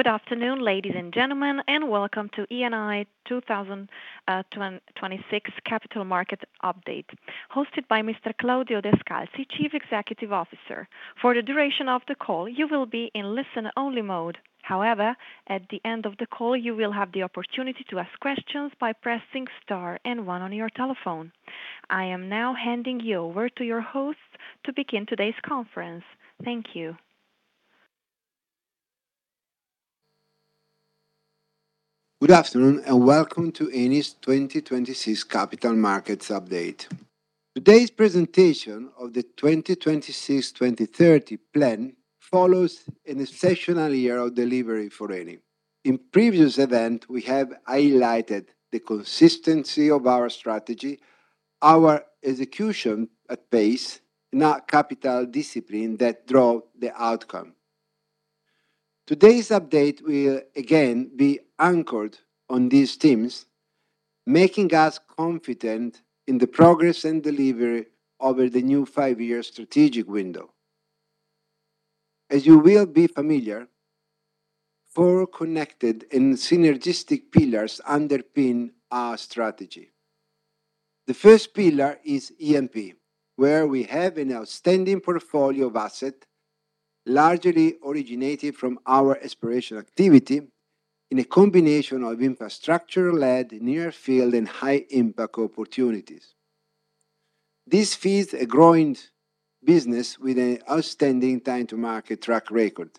Good afternoon, ladies and gentlemen, and welcome to Eni 2026 Capital Market Update, hosted by Mr. Claudio Descalzi, Chief Executive Officer. For the duration of the call, you will be in listen-only mode. However, at the end of the call, you will have the opportunity to ask questions by pressing star and one on your telephone. I am now handing you over to your host to begin today's conference. Thank you. Good afternoon, and welcome to Eni's 2026 Capital Markets Update. Today's presentation of the 2026-2030 plan follows an exceptional year of delivery for Eni. In previous event, we have highlighted the consistency of our strategy, our execution at pace, and our capital discipline that drove the outcome. Today's update will again be anchored on these themes, making us confident in the progress and delivery over the new five-year strategic window. As you will be familiar, four connected and synergistic pillars underpin our strategy. The first pillar is E&P, where we have an outstanding portfolio of assets, largely originated from our exploration activity in a combination of infrastructure-led, near-field, and high-impact opportunities. This feeds a growing business with an outstanding time-to-market track record,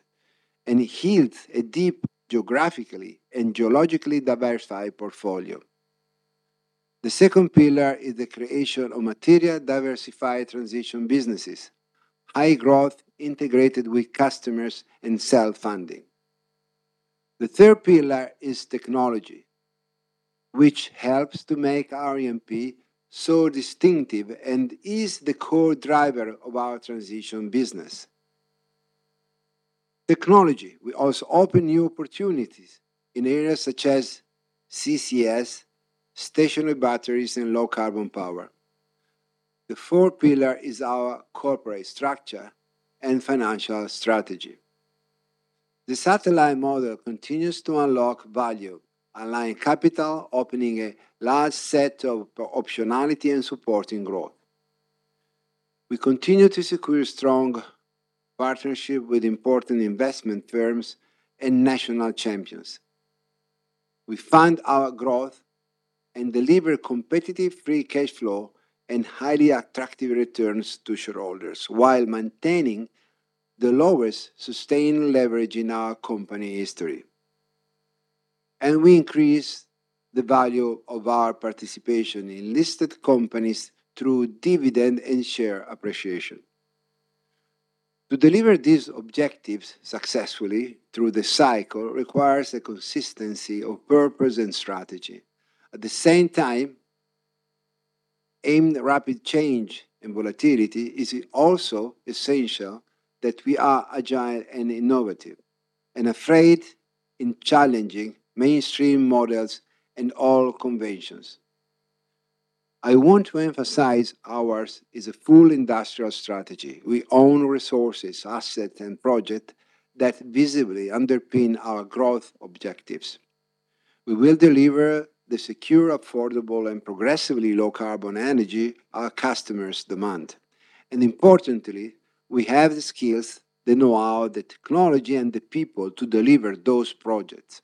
and it yields a deep geographically and geologically diversified portfolio. The second pillar is the creation of material diversified transition businesses, high growth integrated with customers and self-funding. The third pillar is technology, which helps to make our E&P so distinctive and is the core driver of our transition business. Technology will also open new opportunities in areas such as CCS, stationary batteries, and low carbon power. The fourth pillar is our corporate structure and financial strategy. The satellite model continues to unlock value, align capital, opening a large set of optionality and supporting growth. We continue to secure strong partnership with important investment firms and national champions. We fund our growth and deliver competitive free cash flow and highly attractive returns to shareholders while maintaining the lowest sustained leverage in our company history. We increase the value of our participation in listed companies through dividend and share appreciation. To deliver these objectives successfully through the cycle requires a consistency of purpose and strategy. At the same time, amid rapid change and volatility, it is also essential that we are agile and innovative and afraid in challenging mainstream models and all conventions. I want to emphasize ours is a full industrial strategy. We own resources, assets, and projects that visibly underpin our growth objectives. We will deliver the secure, affordable, and progressively low-carbon energy our customers demand. Importantly, we have the skills, the know-how, the technology, and the people to deliver those projects.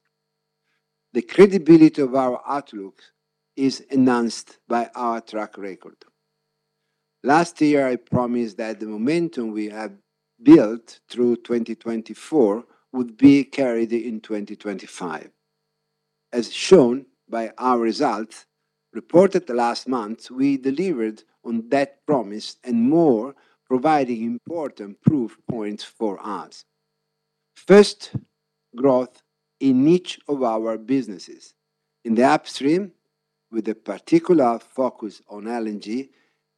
The credibility of our outlook is enhanced by our track record. Last year, I promised that the momentum we have built through 2024 would be carried in 2025. As shown by our results reported last month, we delivered on that promise and more, providing important proof points for us. First, growth in each of our businesses. In the upstream, with a particular focus on LNG,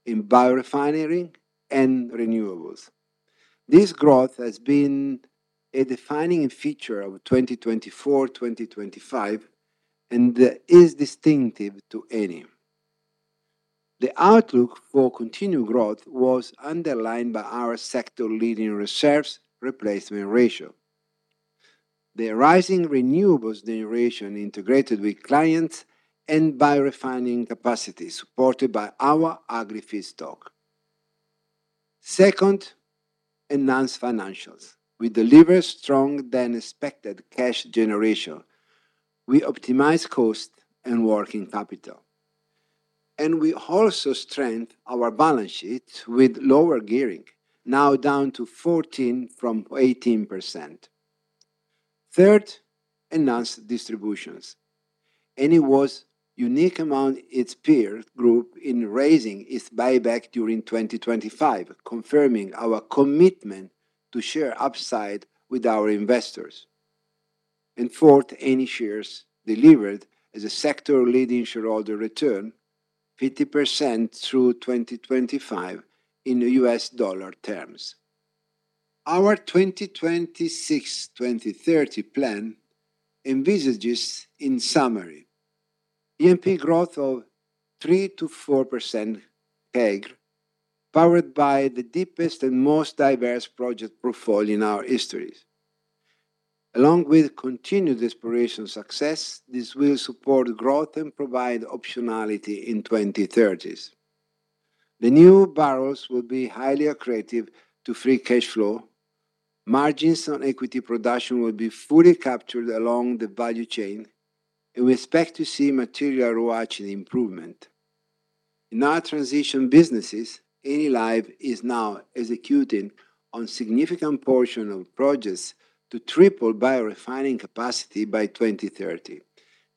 in biorefinery, and renewables. This growth has been a defining feature of 2024, 2025, and is distinctive to Eni. The outlook for continued growth was underlined by our sector-leading reserves replacement ratio. The rising renewables generation integrated with clients and biorefining capacity supported by our Agri feedstock. Second, enhanced financials. We delivered stronger-than-expected cash generation. We optimized cost and working capital. We also strengthened our balance sheet with lower gearing, now down to 14% from 18%. Third, enhanced distributions. Eni was unique among its peer group in raising its buyback during 2025, confirming our commitment to share upside with our investors. Fourth, Eni shares delivered as a sector-leading shareholder return, 50% through 2025 in U.S. dollar terms. Our 2026-2030 plan envisages, in summary, E&P growth of 3%-4% CAGR, powered by the deepest and most diverse project portfolio in our history. Along with continued exploration success, this will support growth and provide optionality in 2030s. The new barrels will be highly accretive to free cash flow. Margins on equity production will be fully captured along the value chain, and we expect to see material ROACE improvement. In our transition businesses, Enilive is now executing on a significant portion of projects to triple bio-refining capacity by 2030.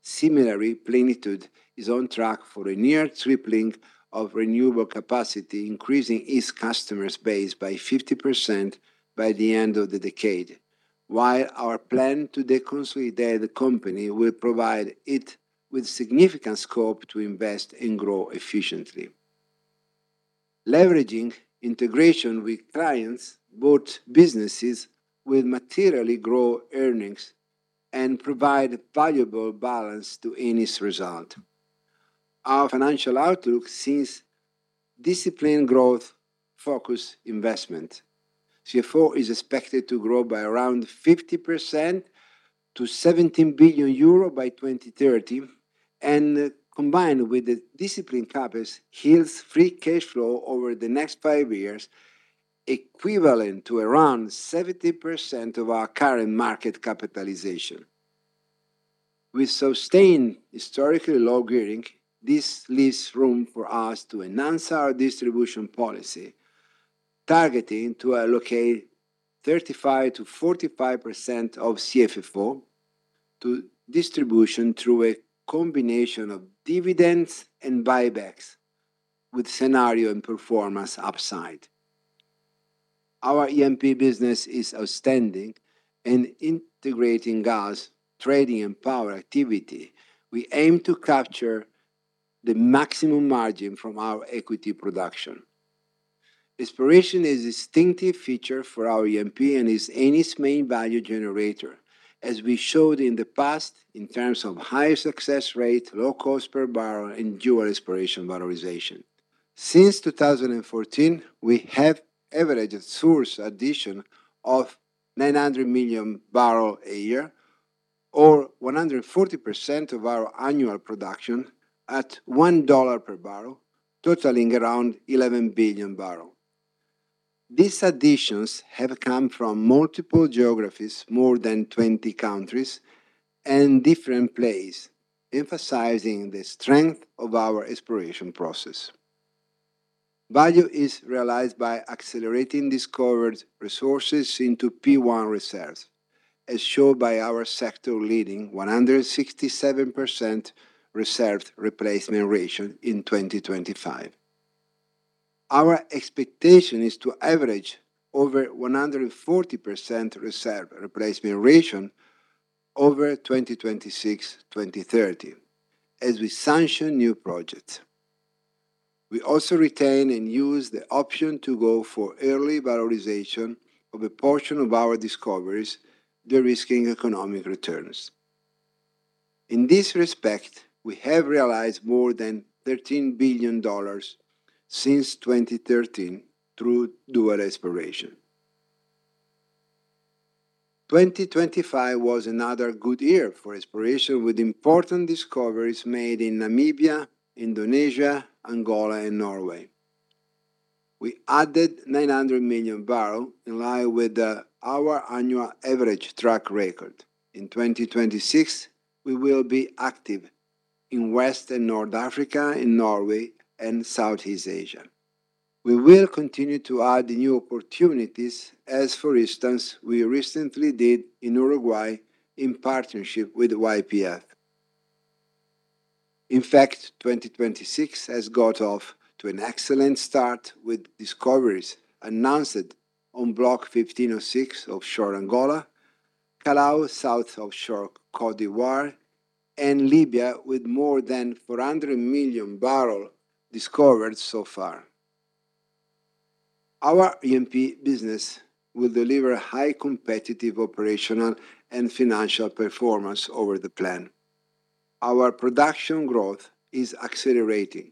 Similarly, Plenitude is on track for a near tripling of renewable capacity, increasing its customer base by 50% by the end of the decade. While our plan to deconsolidate the company will provide it with significant scope to invest and grow efficiently. Leveraging integration with clients, both businesses will materially grow earnings and provide valuable balance to Eni's result. Our financial outlook sees disciplined growth-focused investment. CFFO is expected to grow by around 50% to 17 billion euro by 2030, and combined with the disciplined CapEx yields free cash flow over the next five years, equivalent to around 70% of our current market capitalization. With sustained historically low gearing, this leaves room for us to enhance our distribution policy, targeting to allocate 35%-45% of CFFO to distribution through a combination of dividends and buybacks with scenario and performance upside. Our E&P business is outstanding in integrating gas, trading, and power activity. We aim to capture the maximum margin from our equity production. Exploration is a distinctive feature for our E&P and is Eni's main value generator, as we showed in the past in terms of high success rate, low cost per barrel, and dual exploration valorization. Since 2014, we have averaged resource addition of 900 million barrels a year or 140% of our annual production at $1 per barrel, totaling around 11 billion barrels. These additions have come from multiple geographies, more than 20 countries and different plays, emphasizing the strength of our exploration process. Value is realized by accelerating discovered resources into P1 reserves, as shown by our sector-leading 167% reserve replacement ratio in 2025. Our expectation is to average over 140% reserve replacement ratio over 2026-2030 as we sanction new projects. We also retain and use the option to go for early valorization of a portion of our discoveries, de-risking economic returns. In this respect, we have realized more than $13 billion since 2013 through dual exploration. 2025 was another good year for exploration with important discoveries made in Namibia, Indonesia, Angola, and Norway. We added 900 million barrels in line with our annual average track record. In 2026, we will be active in West and North Africa, in Norway, and Southeast Asia. We will continue to add new opportunities as, for instance, we recently did in Uruguay in partnership with YPF. In fact, 2026 has got off to an excellent start with discoveries announced on Block 15/06 offshore Angola, Calao South offshore Côte d'Ivoire, and Libya with more than 400 million barrels discovered so far. Our E&P business will deliver high competitive operational and financial performance over the plan. Our production growth is accelerating.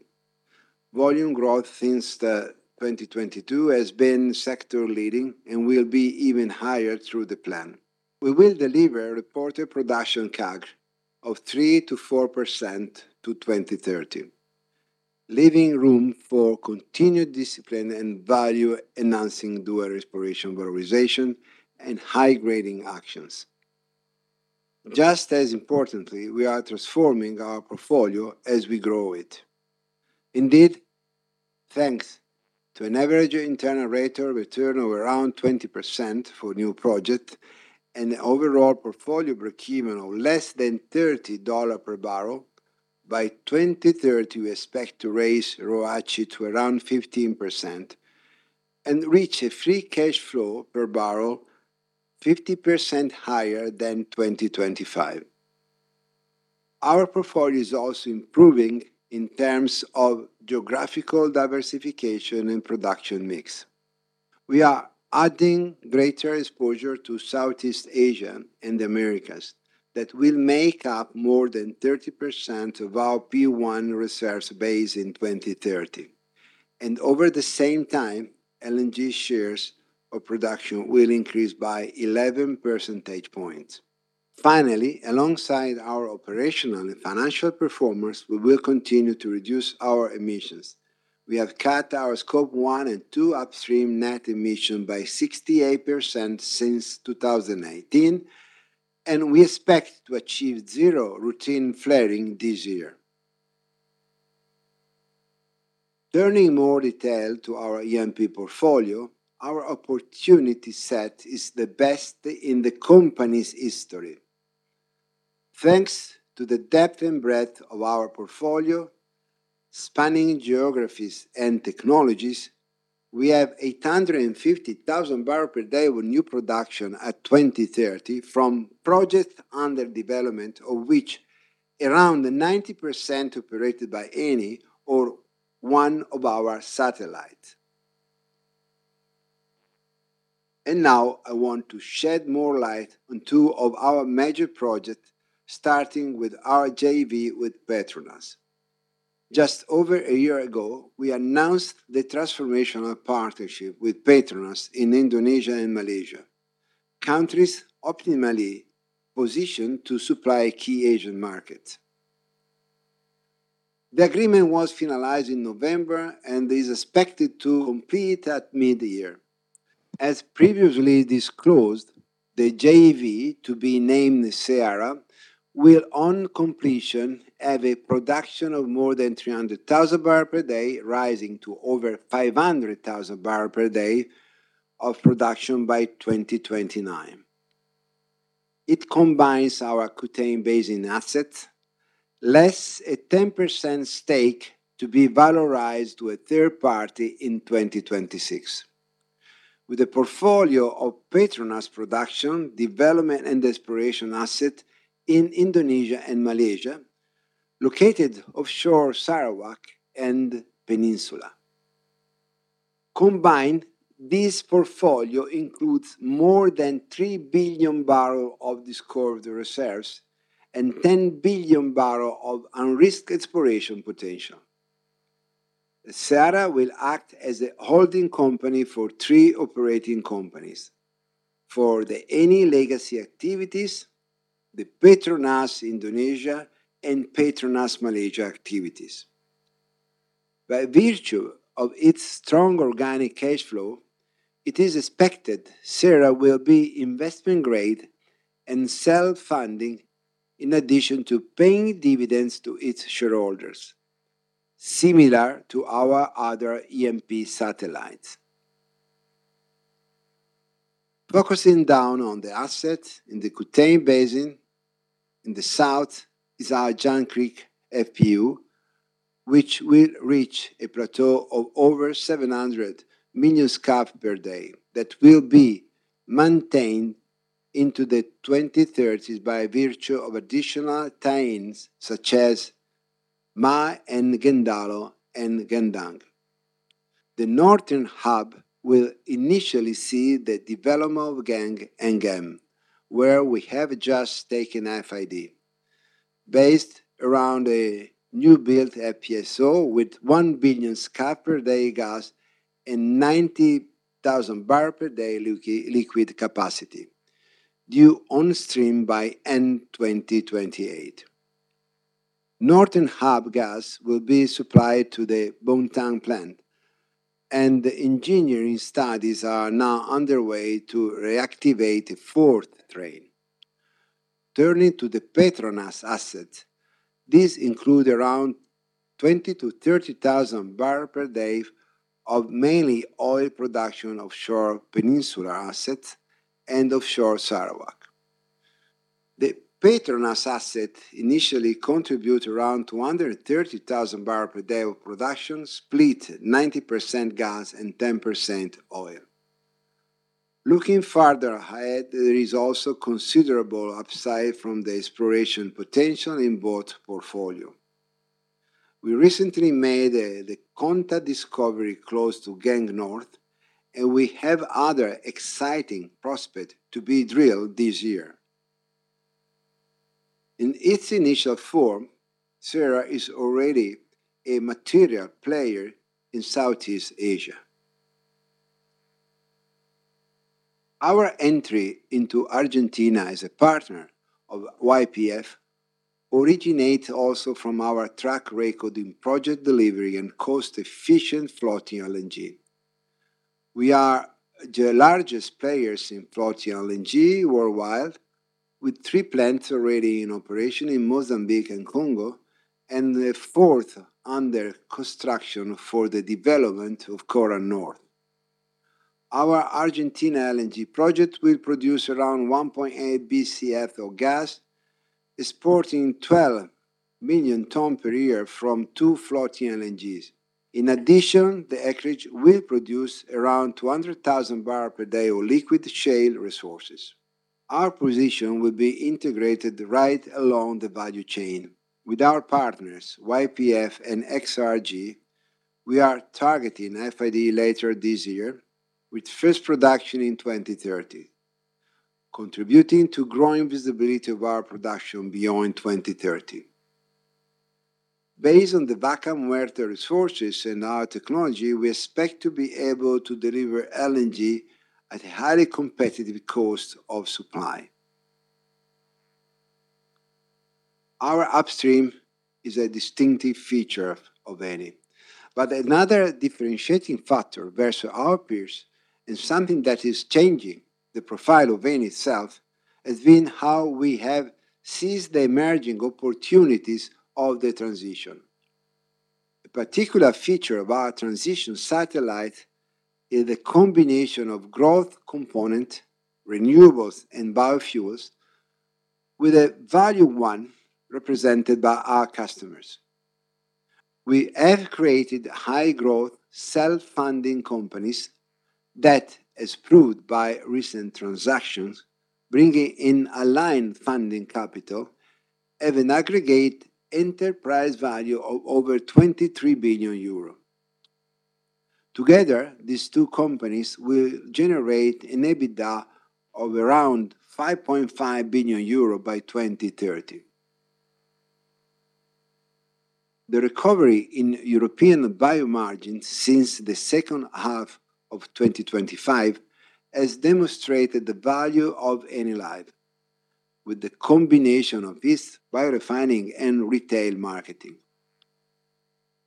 Volume growth since 2022 has been sector-leading and will be even higher through the plan. We will deliver reported production CAGR of 3%-4% to 2030, leaving room for continued discipline and value-enhancing dual exploration valorization and high grading actions. Just as importantly, we are transforming our portfolio as we grow it. Indeed, thanks to an average internal rate of return of around 20% for new projects and an overall portfolio breakeven of less than $30 per barrel, by 2030, we expect to raise ROACE to around 15% and reach a free cash flow per barrel 50% higher than 2025. Our portfolio is also improving in terms of geographical diversification and production mix. We are adding greater exposure to Southeast Asia and the Americas that will make up more than 30% of our P1 reserves base in 2030. Over the same time, LNG shares of production will increase by 11 percentage points. Finally, alongside our operational and financial performance, we will continue to reduce our emissions. We have cut our scope one and two upstream net emission by 68% since 2018, and we expect to achieve zero routine flaring this year. Turning more detail to our EMP portfolio, our opportunity set is the best in the company's history. Thanks to the depth and breadth of our portfolio, spanning geographies and technologies, we have 850,000 barrels per day of new production at 2030 from projects under development, of which around 90% operated by Eni or one of our satellites. Now I want to shed more light on two of our major projects, starting with our JV with Petronas. Just over a year ago, we announced the transformational partnership with Petronas in Indonesia and Malaysia, countries optimally positioned to supply key Asian markets. The agreement was finalized in November and is expected to complete at mid-year. As previously disclosed, the JV, to be named Serra, will, on completion, have a production of more than 300,000 barrels per day, rising to over 500,000 barrels per day of production by 2029. It combines our Kutei Basin asset, less a 10% stake to be valorized to a third party in 2026. With a portfolio of Petronas production, development, and exploration assets in Indonesia and Malaysia, located offshore Sarawak and Peninsula. Combined, this portfolio includes more than 3 billion barrels of discovered reserves and 10 billion barrels of unrisked exploration potential. Serra will act as a holding company for three operating companies. For the Eni legacy activities, the Petronas Indonesia and Petronas Malaysia activities. By virtue of its strong organic cash flow, it is expected Serra will be investment-grade and self-funding in addition to paying dividends to its shareholders, similar to our other EMP satellites. Focusing down on the asset in the Kutei Basin, in the south is our Jangkrik FPU, which will reach a plateau of over 700 million scf per day that will be maintained into the 2030s by virtue of additional tie-ins such as Maha and Gendalo and Gandang. The northern hub will initially see the development of Geng and Gehem, where we have just taken FID. Based around a new built FPSO with 1 billion scf per day gas and 90,000 barrels per day liquids capacity due on stream by end 2028. Northern hub gas will be supplied to the Bontang plant and engineering studies are now underway to reactivate a fourth train. Turning to the Petronas asset, these include around 20,000-30,000 barrels per day of mainly oil production offshore Peninsula asset and offshore Sarawak. The Petronas asset initially contributes around 230,000 barrels per day of production, split 90% gas and 10% oil. Looking farther ahead, there is also considerable upside from the exploration potential in both portfolios. We recently made the Konta discovery close to Geng North, and we have other exciting prospects to be drilled this year. In its initial form, Serra is already a material player in Southeast Asia. Our entry into Argentina as a partner of YPF originates also from our track record in project delivery and cost-efficient floating LNG. We are the largest players in floating LNG worldwide, with three plants already in operation in Mozambique and Congo and a fourth under construction for the development of Coral North. Our Argentina LNG project will produce around 1.8% Bcf of gas, exporting 12 million tons per year from two floating LNGs. In addition, the acreage will produce around 200,000 barrels per day of liquid shale resources. Our position will be integrated right along the value chain. With our partners, YPF and XRG, we are targeting FID later this year with first production in 2030, contributing to growing visibility of our production beyond 2030. Based on the Vaca Muerta resources and our technology, we expect to be able to deliver LNG at highly competitive cost of supply. Our upstream is a distinctive feature of Eni. Another differentiating factor versus our peers, and something that is changing the profile of Eni itself, has been how we have seized the emerging opportunities of the transition. A particular feature of our transition satellite is a combination of growth component, renewables, and biofuels with a value one represented by our customers. We have created high growth, self-funding companies that, as proved by recent transactions, bringing in aligned funding capital, have an aggregate enterprise value of over 23 billion euro. Together, these two companies will generate an EBITDA of around 5.5 billion euro by 2030. The recovery in European bio margins since the second half of 2025 has demonstrated the value of Enilive, with the combination of this biorefining and retail marketing.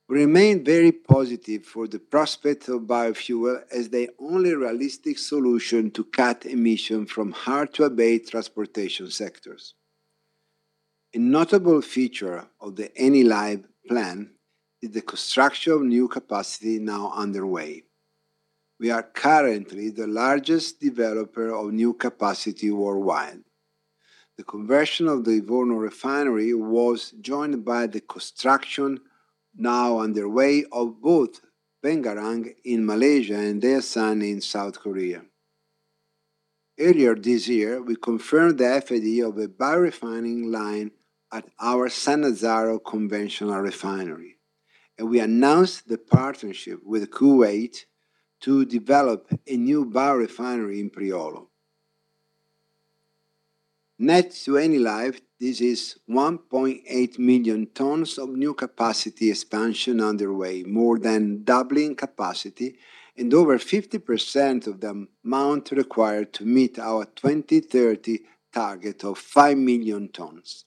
We remain very positive for the prospects of biofuel as the only realistic solution to cut emissions from hard to abate transportation sectors. A notable feature of the Enilive plan is the construction of new capacity now underway. We are currently the largest developer of new capacity worldwide. The conversion of the Livorno refinery was joined by the construction now underway of both Pengarang in Malaysia and Daesan in South Korea. Earlier this year, we confirmed the FID of a biorefining line at our Sannazzaro conventional refinery, and we announced the partnership with Kuwait to develop a new biorefinery in Priolo. Net to Enilive, this is 1.8 million tons of new capacity expansion underway, more than doubling capacity and over 50% of the amount required to meet our 2030 target of 5 million tons.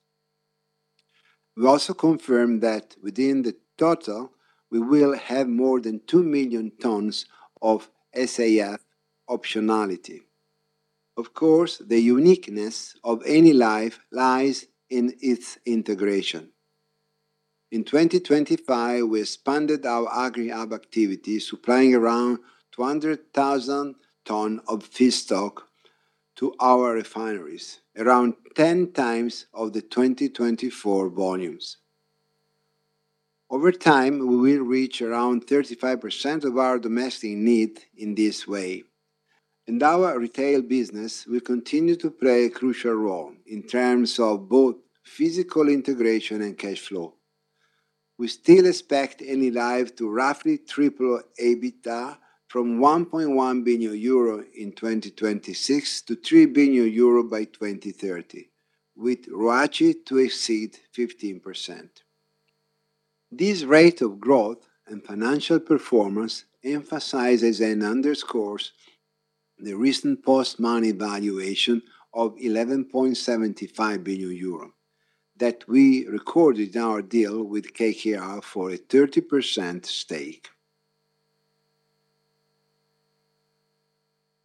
We also confirmed that within the total, we will have more than 2 million tons of SAF optionality. Of course, the uniqueness of Enilive lies in its integration. In 2025, we expanded our Agri-Hub activities, supplying around 200,000 tons of feedstock to our refineries, around 10x of the 2024 volumes. Over time, we will reach around 35% of our domestic need in this way. Our retail business will continue to play a crucial role in terms of both physical integration and cash flow. We still expect Enilive to roughly triple EBITDA from 1.1 billion euro in 2026 to 3 billion euro by 2030, with ROACE to exceed 15%. This rate of growth and financial performance emphasizes and underscores the recent post-money valuation of 11.75 billion euro that we recorded in our deal with KKR for a 30% stake.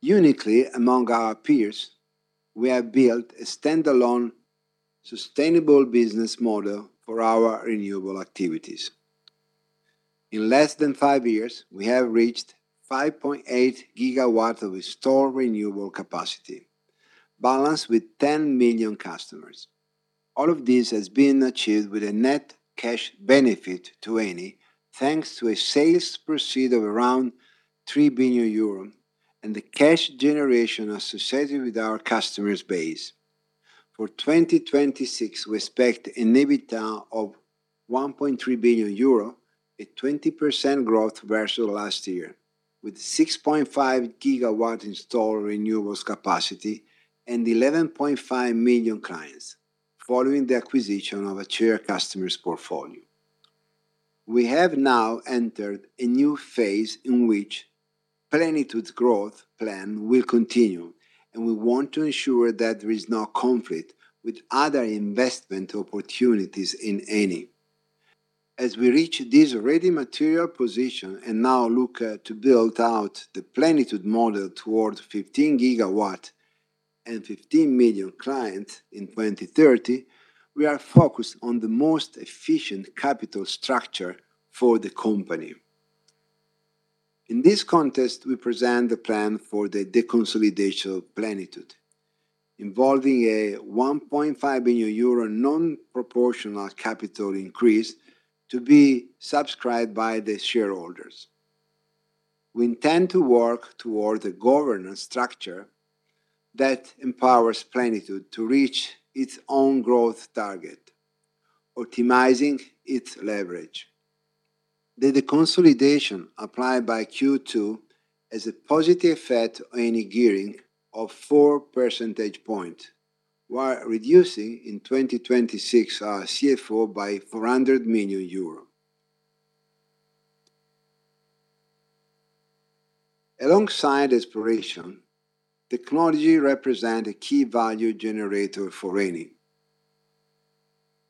Uniquely among our peers, we have built a standalone, sustainable business model for our renewable activities. In less than five years, we have reached 5.8 GW of installed renewable capacity, balanced with 10 million customers. All of this has been achieved with a net cash benefit to Eni, thanks to sales proceeds of around 3 billion euro and the cash generation associated with our customer base. For 2026, we expect an EBITDA of 1.3 billion euro, a 20% growth versus last year, with 6.5 GW installed renewables capacity and 11.5 million clients following the acquisition of Acea customers' portfolio. We have now entered a new phase in which Plenitude growth plan will continue, and we want to ensure that there is no conflict with other investment opportunities in Eni. As we reach this ready material position and now look to build out the Plenitude model towards 15 GW and 15 million clients in 2030, we are focused on the most efficient capital structure for the company. In this context, we present the plan for the deconsolidation of Plenitude, involving a 1.5 billion euro non-proportional capital increase to be subscribed by the shareholders. We intend to work toward the governance structure that empowers Plenitude to reach its own growth target, optimizing its leverage. The deconsolidation applied by Q2 has a positive effect on net gearing of 4 percentage points, while reducing in 2026 our CFO by EUR 400 million. Alongside exploration, technology represent a key value generator for Eni.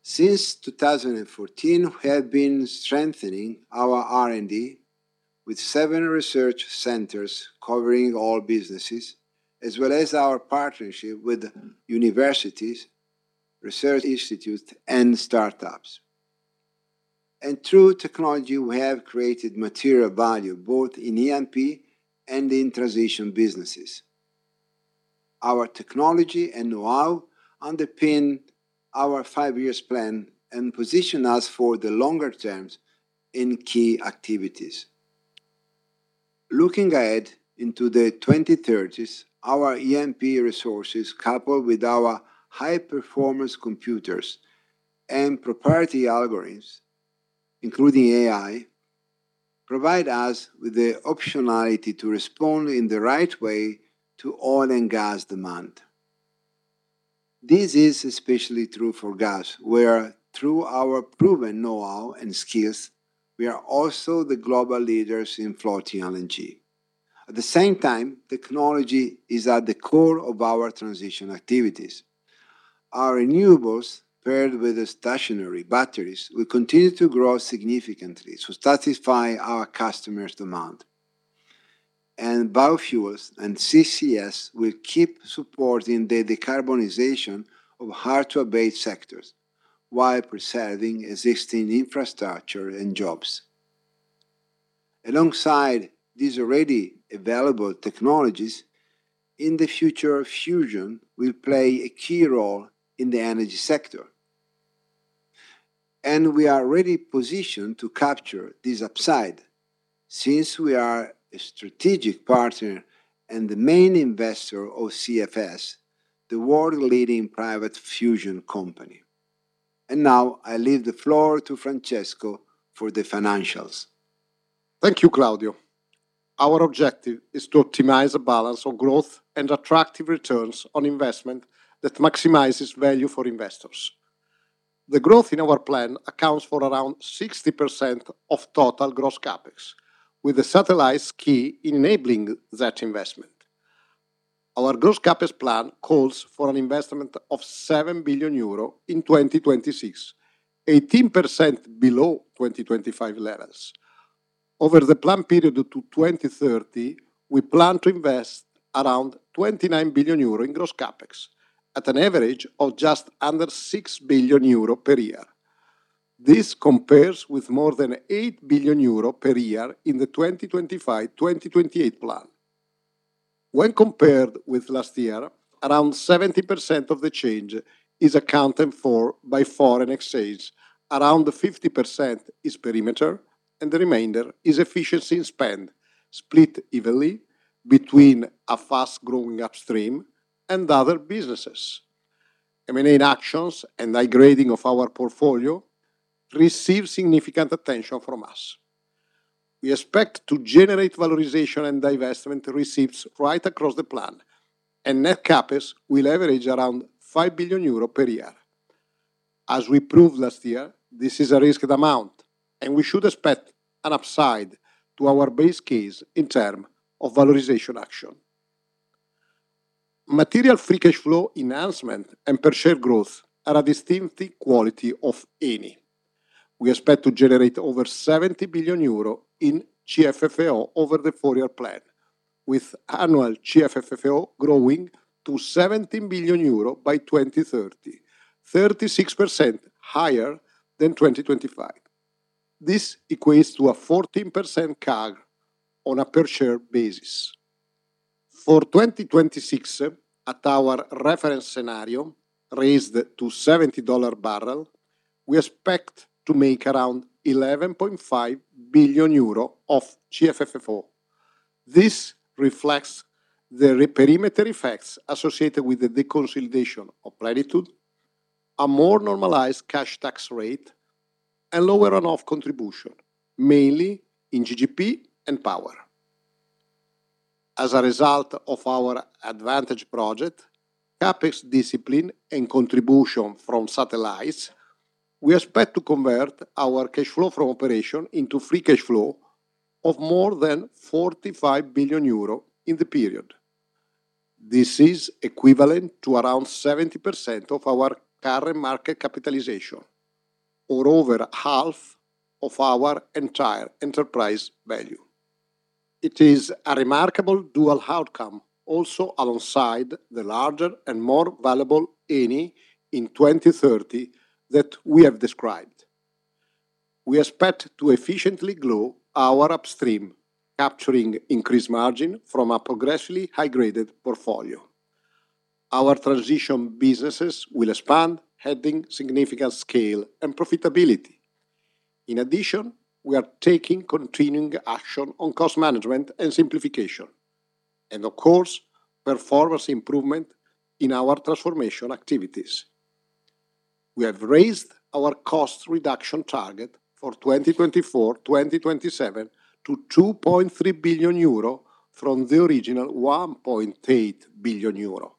Since 2014, we have been strengthening our R&D with seven research centers covering all businesses, as well as our partnership with universities, research institutes, and startups. Through technology, we have created material value both in E&P and in transition businesses. Our technology and know-how underpin our five-year plan and position us for the longer term in key activities. Looking ahead into the 2030s, our E&P resources, coupled with our high performance computers and proprietary algorithms, including AI, provide us with the optionality to respond in the right way to oil and gas demand. This is especially true for gas, where through our proven know-how and skills, we are also the global leaders in floating LNG. At the same time, technology is at the core of our transition activities. Our renewables, paired with stationary batteries, will continue to grow significantly to satisfy our customers' demand. Biofuels and CCS will keep supporting the decarbonization of hard to abate sectors while preserving existing infrastructure and jobs. Alongside these already available technologies, in the future, fusion will play a key role in the energy sector. We are already positioned to capture this upside since we are a strategic partner and the main investor of CFS, the world leading private fusion company. Now I leave the floor to Francesco for the financials. Thank you, Claudio. Our objective is to optimize a balance of growth and attractive returns on investment that maximizes value for investors. The growth in our plan accounts for around 60% of total gross CapEx, with the satellites key enabling that investment. Our gross CapEx plan calls for an investment of 7 billion euro in 2026, 18% below 2025 levels. Over the plan period to 2030, we plan to invest around 29 billion euro in gross CapEx at an average of just under 6 billion euro per year. This compares with more than 8 billion euro per year in the 2025/2028 plan. When compared with last year, around 70% of the change is accounted for by foreign exchange. Around 50% is perimeter, and the remainder is efficiency spend, split evenly between a fast-growing upstream and other businesses. M&A actions and high grading of our portfolio receive significant attention from us. We expect to generate valorization and divestment receipts right across the plan, and net CapEx will average around 5 billion euro per year. As we proved last year, this is a risked amount, and we should expect an upside to our base case in terms of valorization action. Material free cash flow enhancement and per share growth are a distinctive quality of Eni. We expect to generate over 70 billion euro in CFFO over the four-year plan, with annual CFFO growing to 17 billion euro by 2030, 36% higher than 2025. This equates to a 14% CAGR on a per share basis. For 2026, at our reference scenario, Brent at $70/barrel, we expect to make around 11.5 billion euro of CFFO. This reflects the reperimeter effects associated with the deconsolidation of Plenitude, a more normalized cash tax rate, and lower runoff contribution, mainly in GGP and Power. As a result of our advantage project, CapEx discipline, and contribution from satellites, we expect to convert our cash flow from operation into free cash flow of more than 45 billion euro in the period. This is equivalent to around 70% of our current market capitalization or over half of our entire enterprise value. It is a remarkable dual outcome also alongside the larger and more valuable Eni in 2030 that we have described. We expect to efficiently grow our upstream, capturing increased margin from a progressively high-graded portfolio. Our transition businesses will expand, adding significant scale and profitability. In addition, we are taking continuing action on cost management and simplification and of course, performance improvement in our transformation activities. We have raised our cost reduction target for 2024-2027 to 2.3 billion euro from the original 1.8 billion euro.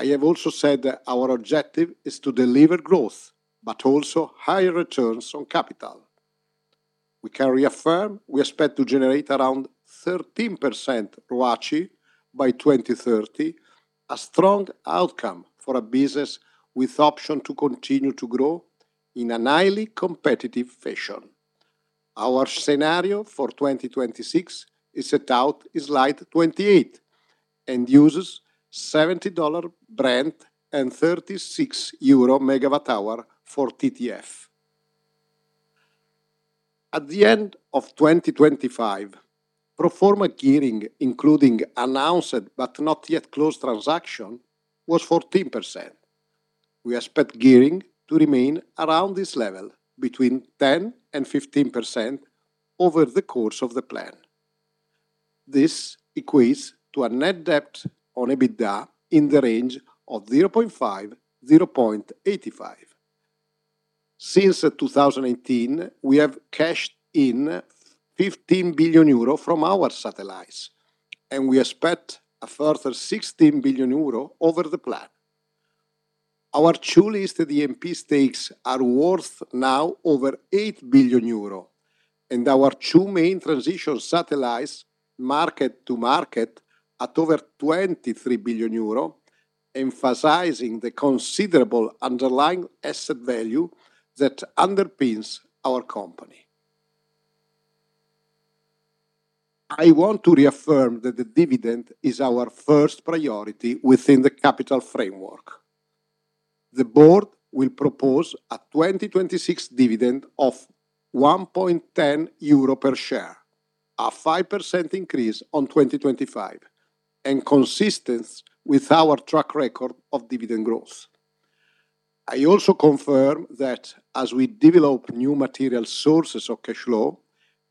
I have also said that our objective is to deliver growth, but also higher returns on capital. We can reaffirm we expect to generate around 13% ROACE by 2030, a strong outcome for a business with option to continue to grow in a highly competitive fashion. Our scenario for 2026 is set out in slide 28 and uses $70 Brent and EUR 36/MWh for TTF. At the end of 2025, pro forma gearing, including announced but not yet closed transaction, was 14%. We expect gearing to remain around this level between 10%-15% over the course of the plan. This equates to a net debt on EBITDA in the range of 0.5%-0.85%. Since 2018, we have cashed in 15 billion euro from our satellites, and we expect a further 16 billion euro over the plan. Our two listed EMP stakes are worth now over 8 billion euro and our two main transition satellites mark-to-market at over 23 billion euro, emphasizing the considerable underlying asset value that underpins our company. I want to reaffirm that the dividend is our first priority within the capital framework. The board will propose a 2026 dividend of 1.10 euro per share, a 5% increase on 2025, and consistent with our track record of dividend growth. I also confirm that as we develop new material sources of cash flow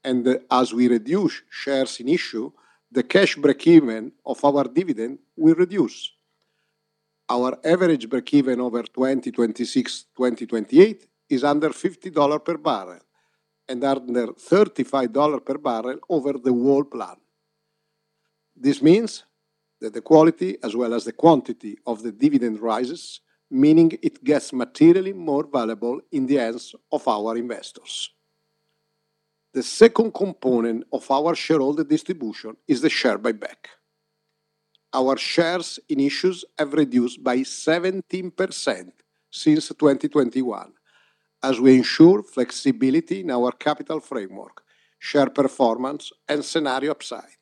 and as we reduce shares in issue, the cash break-even of our dividend will reduce. Our average break-even over 2026-2028 is under $50 per barrel and under $35 per barrel over the whole plan. This means that the quality as well as the quantity of the dividend rises, meaning it gets materially more valuable in the hands of our investors. The second component of our shareholder distribution is the share buyback. Our shares in issue have reduced by 17% since 2021 as we ensure flexibility in our capital framework, share performance, and scenario upside.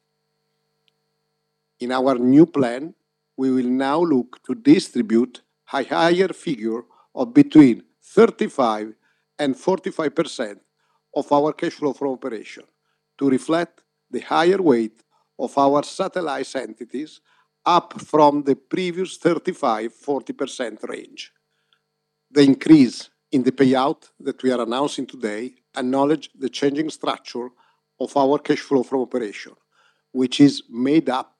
In our new plan, we will now look to distribute a higher figure of between 35% and 45% of our cash flow from operations to reflect the higher weight of our satellite entities up from the previous 35%-40% range. The increase in the payout that we are announcing today acknowledges the changing structure of our cash flow from operations, which is made up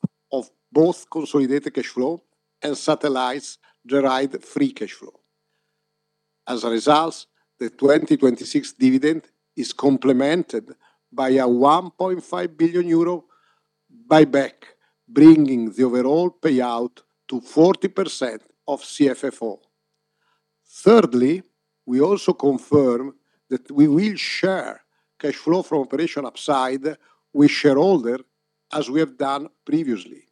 of both consolidated cash flow and satellites-derived free cash flow. As a result, the 2026 dividend is complemented by a 1.5 billion euro buyback, bringing the overall payout to 40% of CFFO. Thirdly, we also confirm that we will share cash flow from operations upside with shareholders, as we have done previously.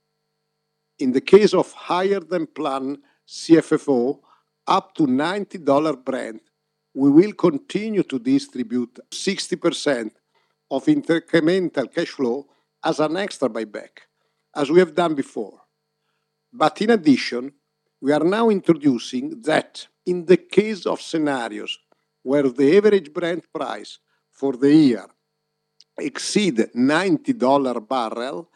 In the case of higher than planned CFFO, up to $90 Brent, we will continue to distribute 60% of incremental cash flow as an extra buyback, as we have done before. In addition, we are now introducing that in the case of scenarios where the average Brent price for the year exceed $90 barrel,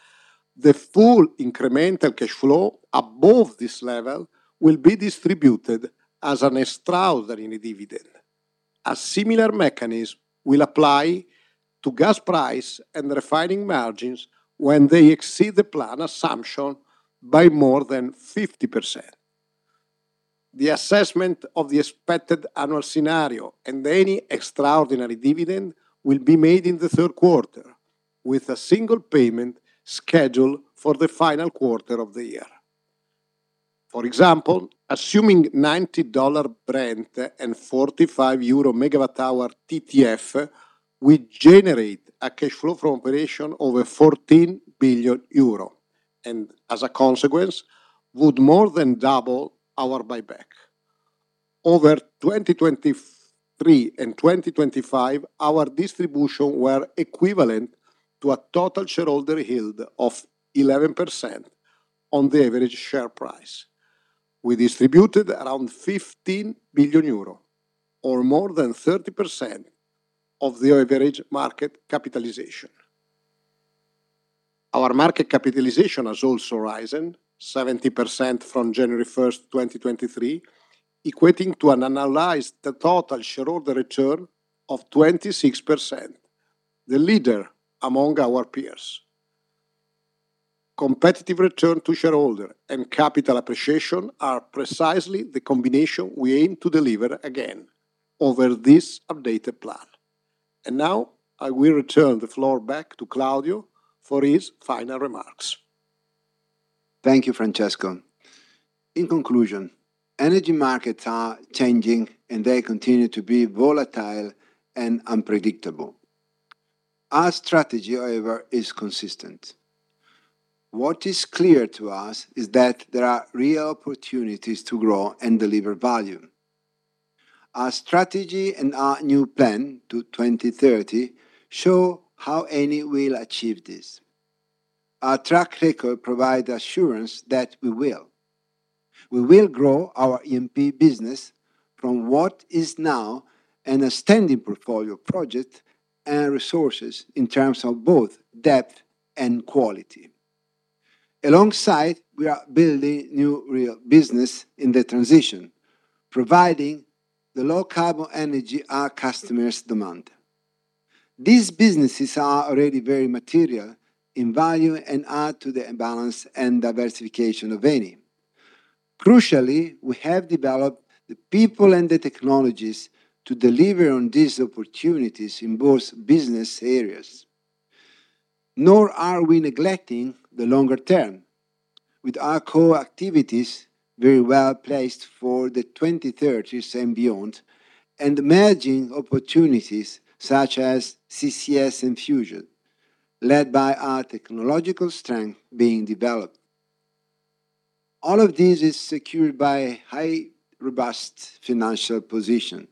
the full incremental cash flow above this level will be distributed as an extraordinary dividend. A similar mechanism will apply to gas price and refining margins when they exceed the plan assumption by more than 50%. The assessment of the expected annual scenario and any extraordinary dividend will be made in the third quarter with a single payment scheduled for the final quarter of the year. For example, assuming $90 Brent and 45 euro MW hour TTF will generate a cash flow from operations over 14 billion euro, and as a consequence, would more than double our buyback. Over 2023 and 2025, our distributions were equivalent to a total shareholder yield of 11% on the average share price. We distributed around 15 billion euro or more than 30% of the average market capitalization. Our market capitalization has also risen 70% from January 1st, 2023, equating to an annualized total shareholder return of 26%, the leader among our peers. Competitive returns to shareholders and capital appreciation are precisely the combination we aim to deliver again over this updated plan. Now I will return the floor back to Claudio for his final remarks. Thank you, Francesco. In conclusion, energy markets are changing, and they continue to be volatile and unpredictable. Our strategy, however, is consistent. What is clear to us is that there are real opportunities to grow and deliver value. Our strategy and our new plan to 2030 show how Eni will achieve this. Our track record provide assurance that we will. We will grow our E&P business from what is now an outstanding portfolio of projects and resources in terms of both depth and quality. Alongside, we are building new real business in the transition, providing the low carbon energy our customers demand. These businesses are already very material in value and add to the balance and diversification of Eni. Crucially, we have developed the people and the technologies to deliver on these opportunities in both business areas. Nor are we neglecting the longer term, with our core activities very well placed for the 2030s and beyond, and emerging opportunities such as CCS and fusion, led by our technological strength being developed. All of this is secured by a high, robust financial position,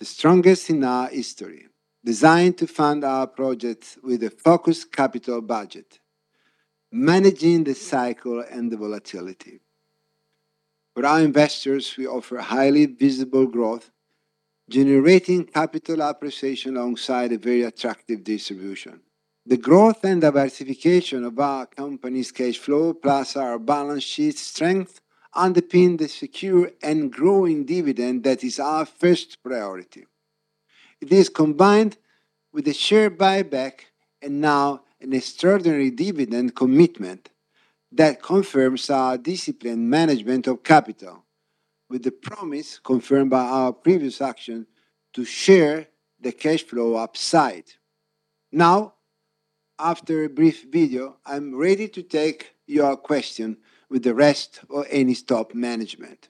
the strongest in our history, designed to fund our projects with a focused capital budget, managing the cycle and the volatility. For our investors, we offer highly visible growth, generating capital appreciation alongside a very attractive distribution. The growth and diversification of our company's cash flow, plus our balance sheet strength, underpin the secure and growing dividend that is our first priority. It is combined with a share buyback and now an extraordinary dividend commitment that confirms our disciplined management of capital with the promise confirmed by our previous action to share the cash flow upside. Now, after a brief video, I'm ready to take your question with the rest of Eni's top management.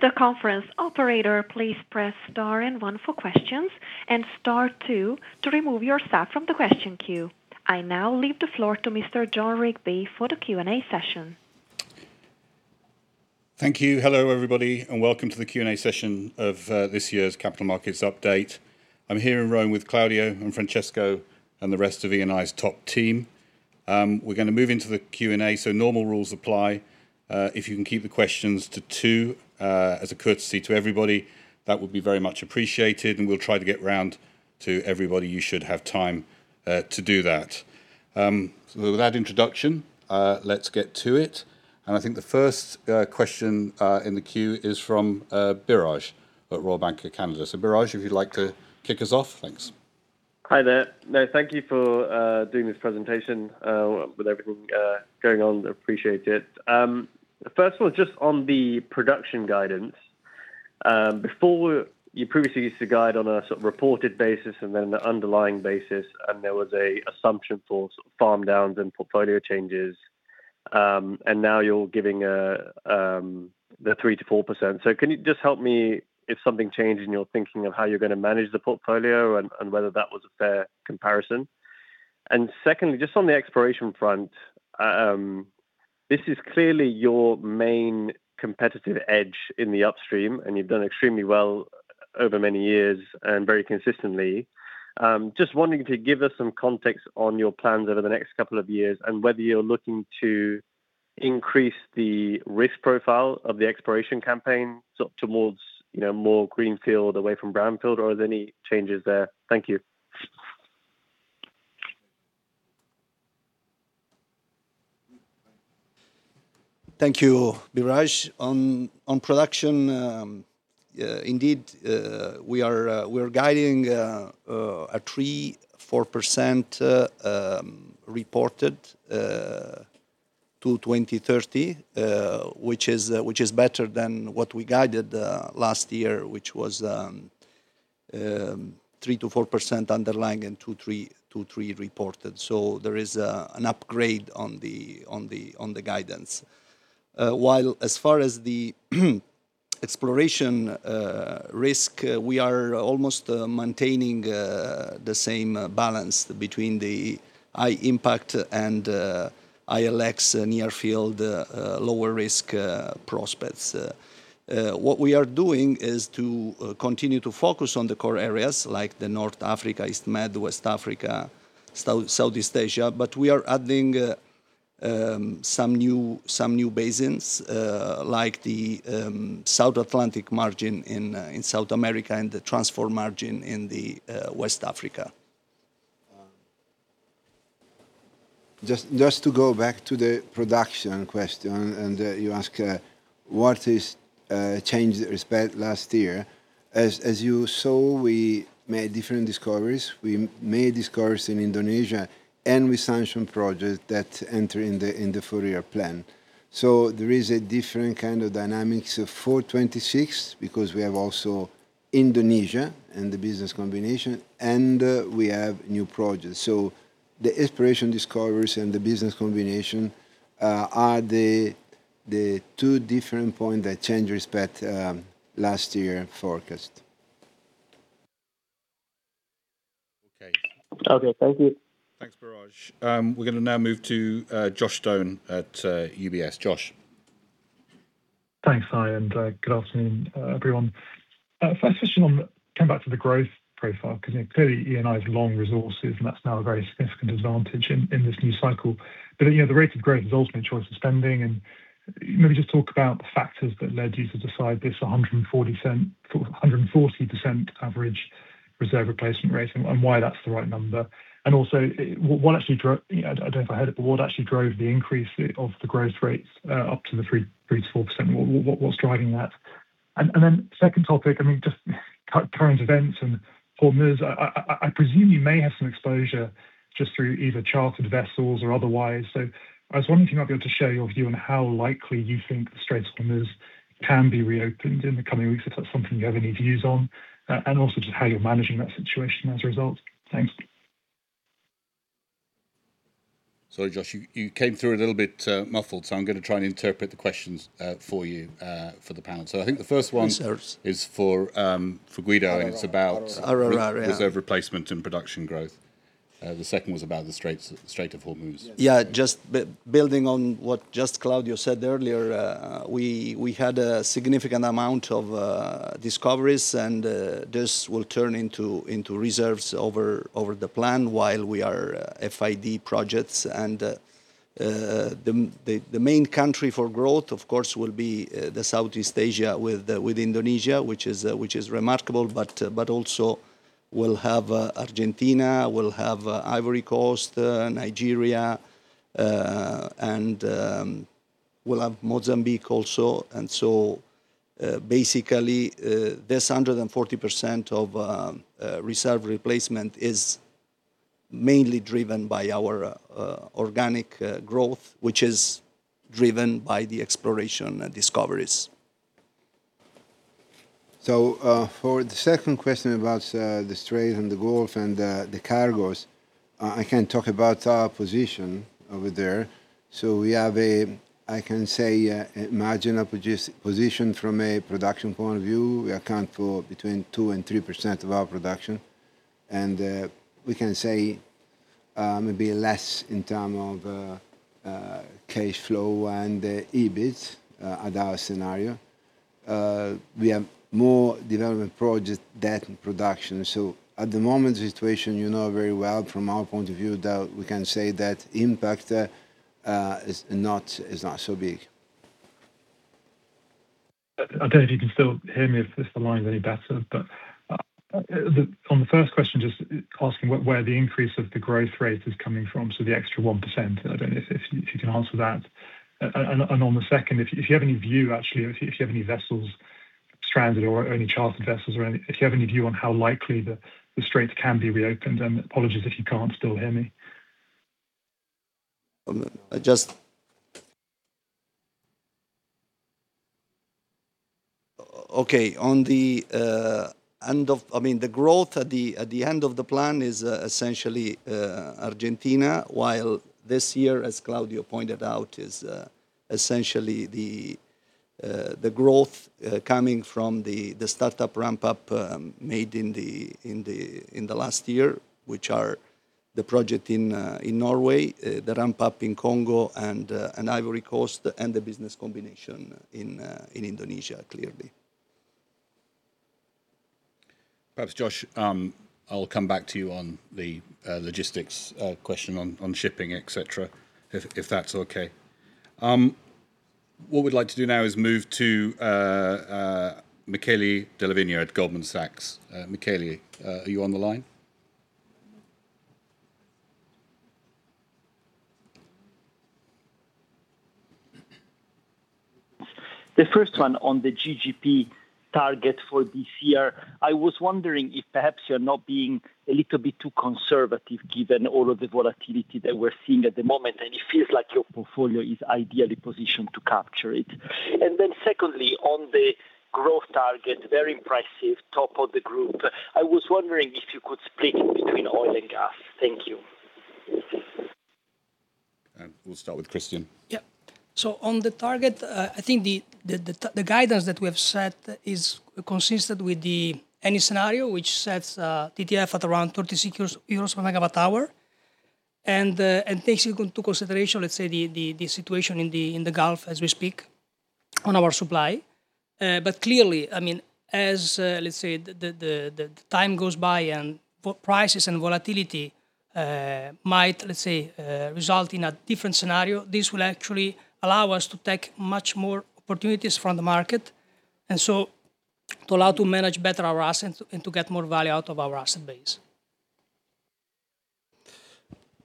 This is the conference operator. Please press star and one for questions and star two to remove yourself from the question queue. I now leave the floor to Mr. Jon Rigby for the Q&A session. Thank you. Hello, everybody, and welcome to the Q&A session of this year's Capital Markets Update. I'm here in Rome with Claudio and Francesco and the rest of Eni's top team. We're gonna move into the Q&A, so normal rules apply. If you can keep the questions to two as a courtesy to everybody, that would be very much appreciated, and we'll try to get round to everybody. You should have time to do that. So with that introduction, let's get to it. I think the first question in the queue is from Biraj at Royal Bank of Canada. So Biraj, if you'd like to kick us off. Thanks. Hi there. Now, thank you for doing this presentation with everything going on. Appreciate it. First of all, just on the production guidance, before you previously used to guide on a sort of reported basis and then the underlying basis, and there was an assumption for farm downs and portfolio changes. Now you're giving the 3%-4%. So can you just help me if something changed in your thinking of how you're gonna manage the portfolio and whether that was a fair comparison? Secondly, just on the exploration front, this is clearly your main competitive edge in the upstream, and you've done extremely well over many years and very consistently. Just wondering if you could give us some context on your plans over the next couple of years and whether you're looking to increase the risk profile of the exploration campaign sort of towards, you know, more greenfield away from brownfield, or are there any changes there? Thank you. Thank you, Biraj. On production, indeed, we are guiding a 3%-4% reported to 2030, which is better than what we guided last year, which was 3%-4% underlying and 2%-3% reported. There is an upgrade on the guidance. While as far as the exploration risk, we are almost maintaining the same balance between the high impact and ILX near field lower risk prospects. What we are doing is to continue to focus on the core areas like North Africa, East Med, West Africa, Southeast Asia, but we are adding some new basins like the South Atlantic margin in South America and the transform margin in West Africa. To go back to the production question and you ask what is changed with respect to last year. As you saw, we made different discoveries. We made discoveries in Indonesia, and we sanctioned projects that enter in the full year plan. There is a different kind of dynamics of 2026 because we have also Indonesia and the business combination, and we have new projects. The exploration discoveries and the business combination are the two different points that change with respect to last year forecast. Okay. Okay. Thank you. Thanks, Biraj. We're gonna now move to Joshua Stone at UBS. Josh. Thanks, Ai, and good afternoon, everyone. First question on coming back to the growth profile, because clearly Eni's long resources, and that's now a very significant advantage in this new cycle. You know, the rate of growth is ultimately a choice of spending. Maybe just talk about the factors that led you to decide this 140% average reserve replacement rate and why that's the right number. Also, what actually drove the increase of the growth rates up to the 3%-4%. What's driving that. Then second topic, I mean, just current events and Hormuz. I presume you may have some exposure just through either chartered vessels or otherwise. I was wondering if you might be able to share your view on how likely you think the Strait of Hormuz can be reopened in the coming weeks, if that's something you have any views on, and also just how you're managing that situation as a result. Thanks. Sorry, Josh, you came through a little bit muffled, so I'm gonna try and interpret the questions for you for the panel. I think the first one. Yes, sir. This is for Guido, and it's about reserve replacement and production growth. The second was about the Strait of Hormuz. Yeah, just building on what Claudio said earlier, we had a significant amount of discoveries and this will turn into reserves over the plan while we are FID projects. The main country for growth, of course, will be Southeast Asia with Indonesia, which is remarkable, but also we'll have Argentina, we'll have Côte d'Ivoire, Nigeria, and we'll have Mozambique also. Basically, this 140% of reserve replacement is mainly driven by our organic growth, which is driven by the exploration discoveries. For the second question about the Strait and the Gulf and the cargos, I can talk about our position over there. We have, I can say, marginal position from a production point of view. We account for between 2%-3% of our production. We can say maybe less in terms of cash flow and the EBIT in our scenario. We have more development projects than production. At the moment, the situation you know very well from our point of view that we can say that impact is not so big. I don't know if you can still hear me, if this line is any better. On the first question, just asking where the increase of the growth rate is coming from, so the extra 1%. I don't know if you can answer that. On the second, if you have any view, actually, if you have any vessels stranded or any chartered vessels. If you have any view on how likely the straits can be reopened. Apologies if you can't still hear me. Okay. On the end of. I mean, the growth at the end of the plan is essentially Argentina, while this year, as Claudio pointed out, is essentially the growth coming from the startup ramp-up made in the last year, which are the project in Norway, the ramp-up in Congo and Ivory Coast, and the business combination in Indonesia, clearly. Perhaps, Josh, I'll come back to you on the logistics question on shipping, et cetera, if that's okay. What we'd like to do now is move to Michele Della Vigna at Goldman Sachs. Michele, are you on the line? The first one on the GGP target for this year. I was wondering if perhaps you're not being a little bit too conservative given all of the volatility that we're seeing at the moment, and it feels like your portfolio is ideally positioned to capture it. Secondly, on the growth target, very impressive, top of the group. I was wondering if you could split it between oil and gas. Thank you. We'll start with Christian. Yeah. On the target, I think the guidance that we have set is consistent with the Eni scenario which sets TTF at around 36 euros per megawatt hour and takes into consideration, let's say, the situation in the Gulf as we speak on our supply. Clearly, I mean, as let's say, the time goes by and prices and volatility might let's say result in a different scenario, this will actually allow us to take much more opportunities from the market, and so to allow to manage better our assets and to get more value out of our asset base.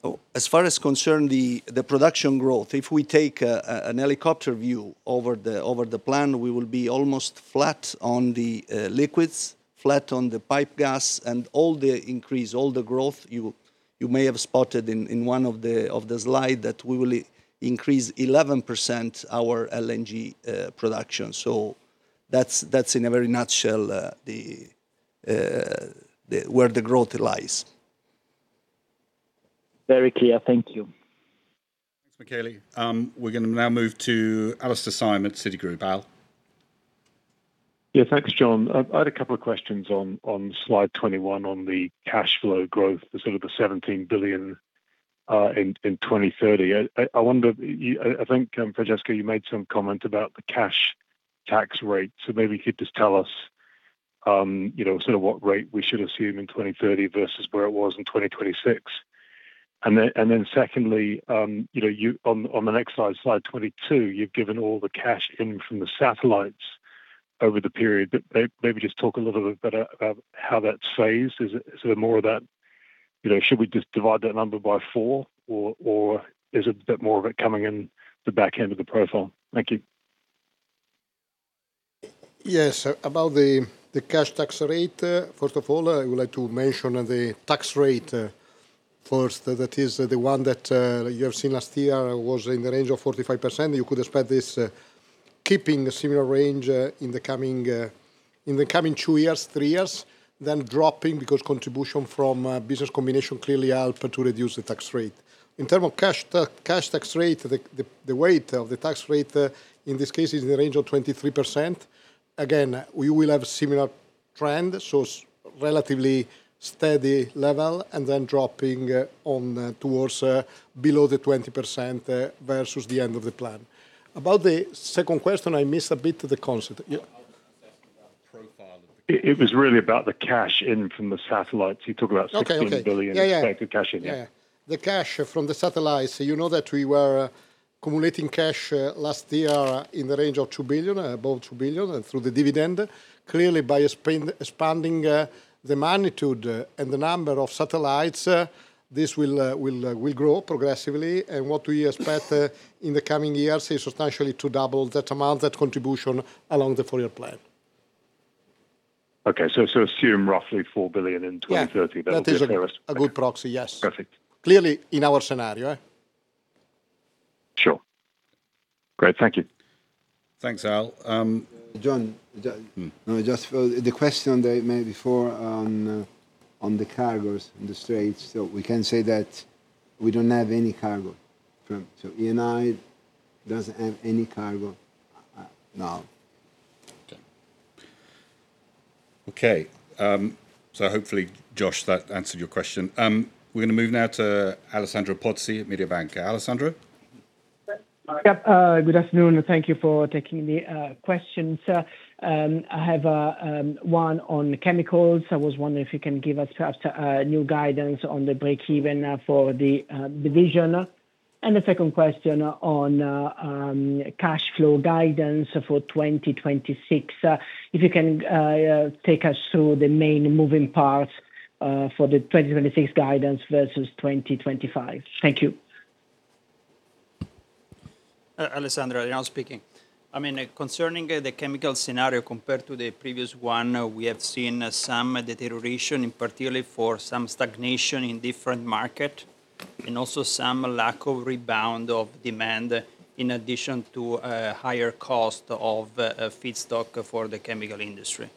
Oh, as far as concerns the production growth, if we take a helicopter view over the plan, we will be almost flat on the liquids, flat on the pipeline gas, and all the growth you may have spotted in one of the slides that we will increase 11% our LNG production. That's in a very nutshell the where the growth lies. Very clear. Thank you. Thanks, Michele. We're gonna now move to Alastair Syme at Citigroup. Al. Thanks, Jon. I've had a couple of questions on slide 21 on the cash flow growth, sort of the 17 billion in 2030. I wonder. I think, Francesco, you made some comment about the cash tax rate. Maybe you could just tell us, you know, sort of what rate we should assume in 2030 versus where it was in 2026. And then secondly, you know, you on the next slide 22, you've given all the cash in from the satellites over the period. But maybe just talk a little bit about how that shapes. Is it more of that, you know, should we just divide that number by four or is it a bit more of it coming in the back end of the profile? Thank you. Yes. About the cash tax rate, first of all, I would like to mention the tax rate first. That is the one that you have seen last year was in the range of 45%. You could expect this keeping a similar range in the coming two years, three years, then dropping because contribution from a business combination clearly help to reduce the tax rate. In term of cash tax rate, the weight of the tax rate in this case is in the range of 23%. Again, we will have similar trend, so relatively steady level and then dropping on towards below the 20% versus the end of the plan. About the second question, I missed a bit the concept. Yeah. I was asking about the profile of the cash. It was really about the cash in from the satellites. You talked about. Okay. 16 billion expected cash in. Yeah. Yeah. The cash from the satellites, you know that we were accumulating cash last year in the range of 2 billion, above 2 billion, and through the dividend. Clearly, by expanding the magnitude and the number of satellites, this will grow progressively. What we expect in the coming years is substantially to double that amount, that contribution along the four-year plan. Assume roughly 4 billion in 2030. Yeah. That would be fair. That is a good proxy, yes. Perfect. Clearly in our scenario. Sure. Great. Thank you. Thanks, Al. Jon. Mm. No, just for the question that you made before on the cargos in the straits. Eni doesn't have any cargo now. Okay. Hopefully, Josh, that answered your question. We're gonna move now to Alessandro Pozzi at Mediobanca. Alessandro? Yep. Good afternoon, and thank you for taking the question, sir. I have one on chemicals. I was wondering if you can give us perhaps new guidance on the breakeven for the division. The second question on cash flow guidance for 2026. If you can take us through the main moving parts for the 2026 guidance versus 2025. Thank you. Alessandro, Adriano Alfani speaking. I mean, concerning the chemical scenario compared to the previous one, we have seen some deterioration in particular for some stagnation in different market, and also some lack of rebound in demand in addition to a higher cost of feedstock for the chemical industry.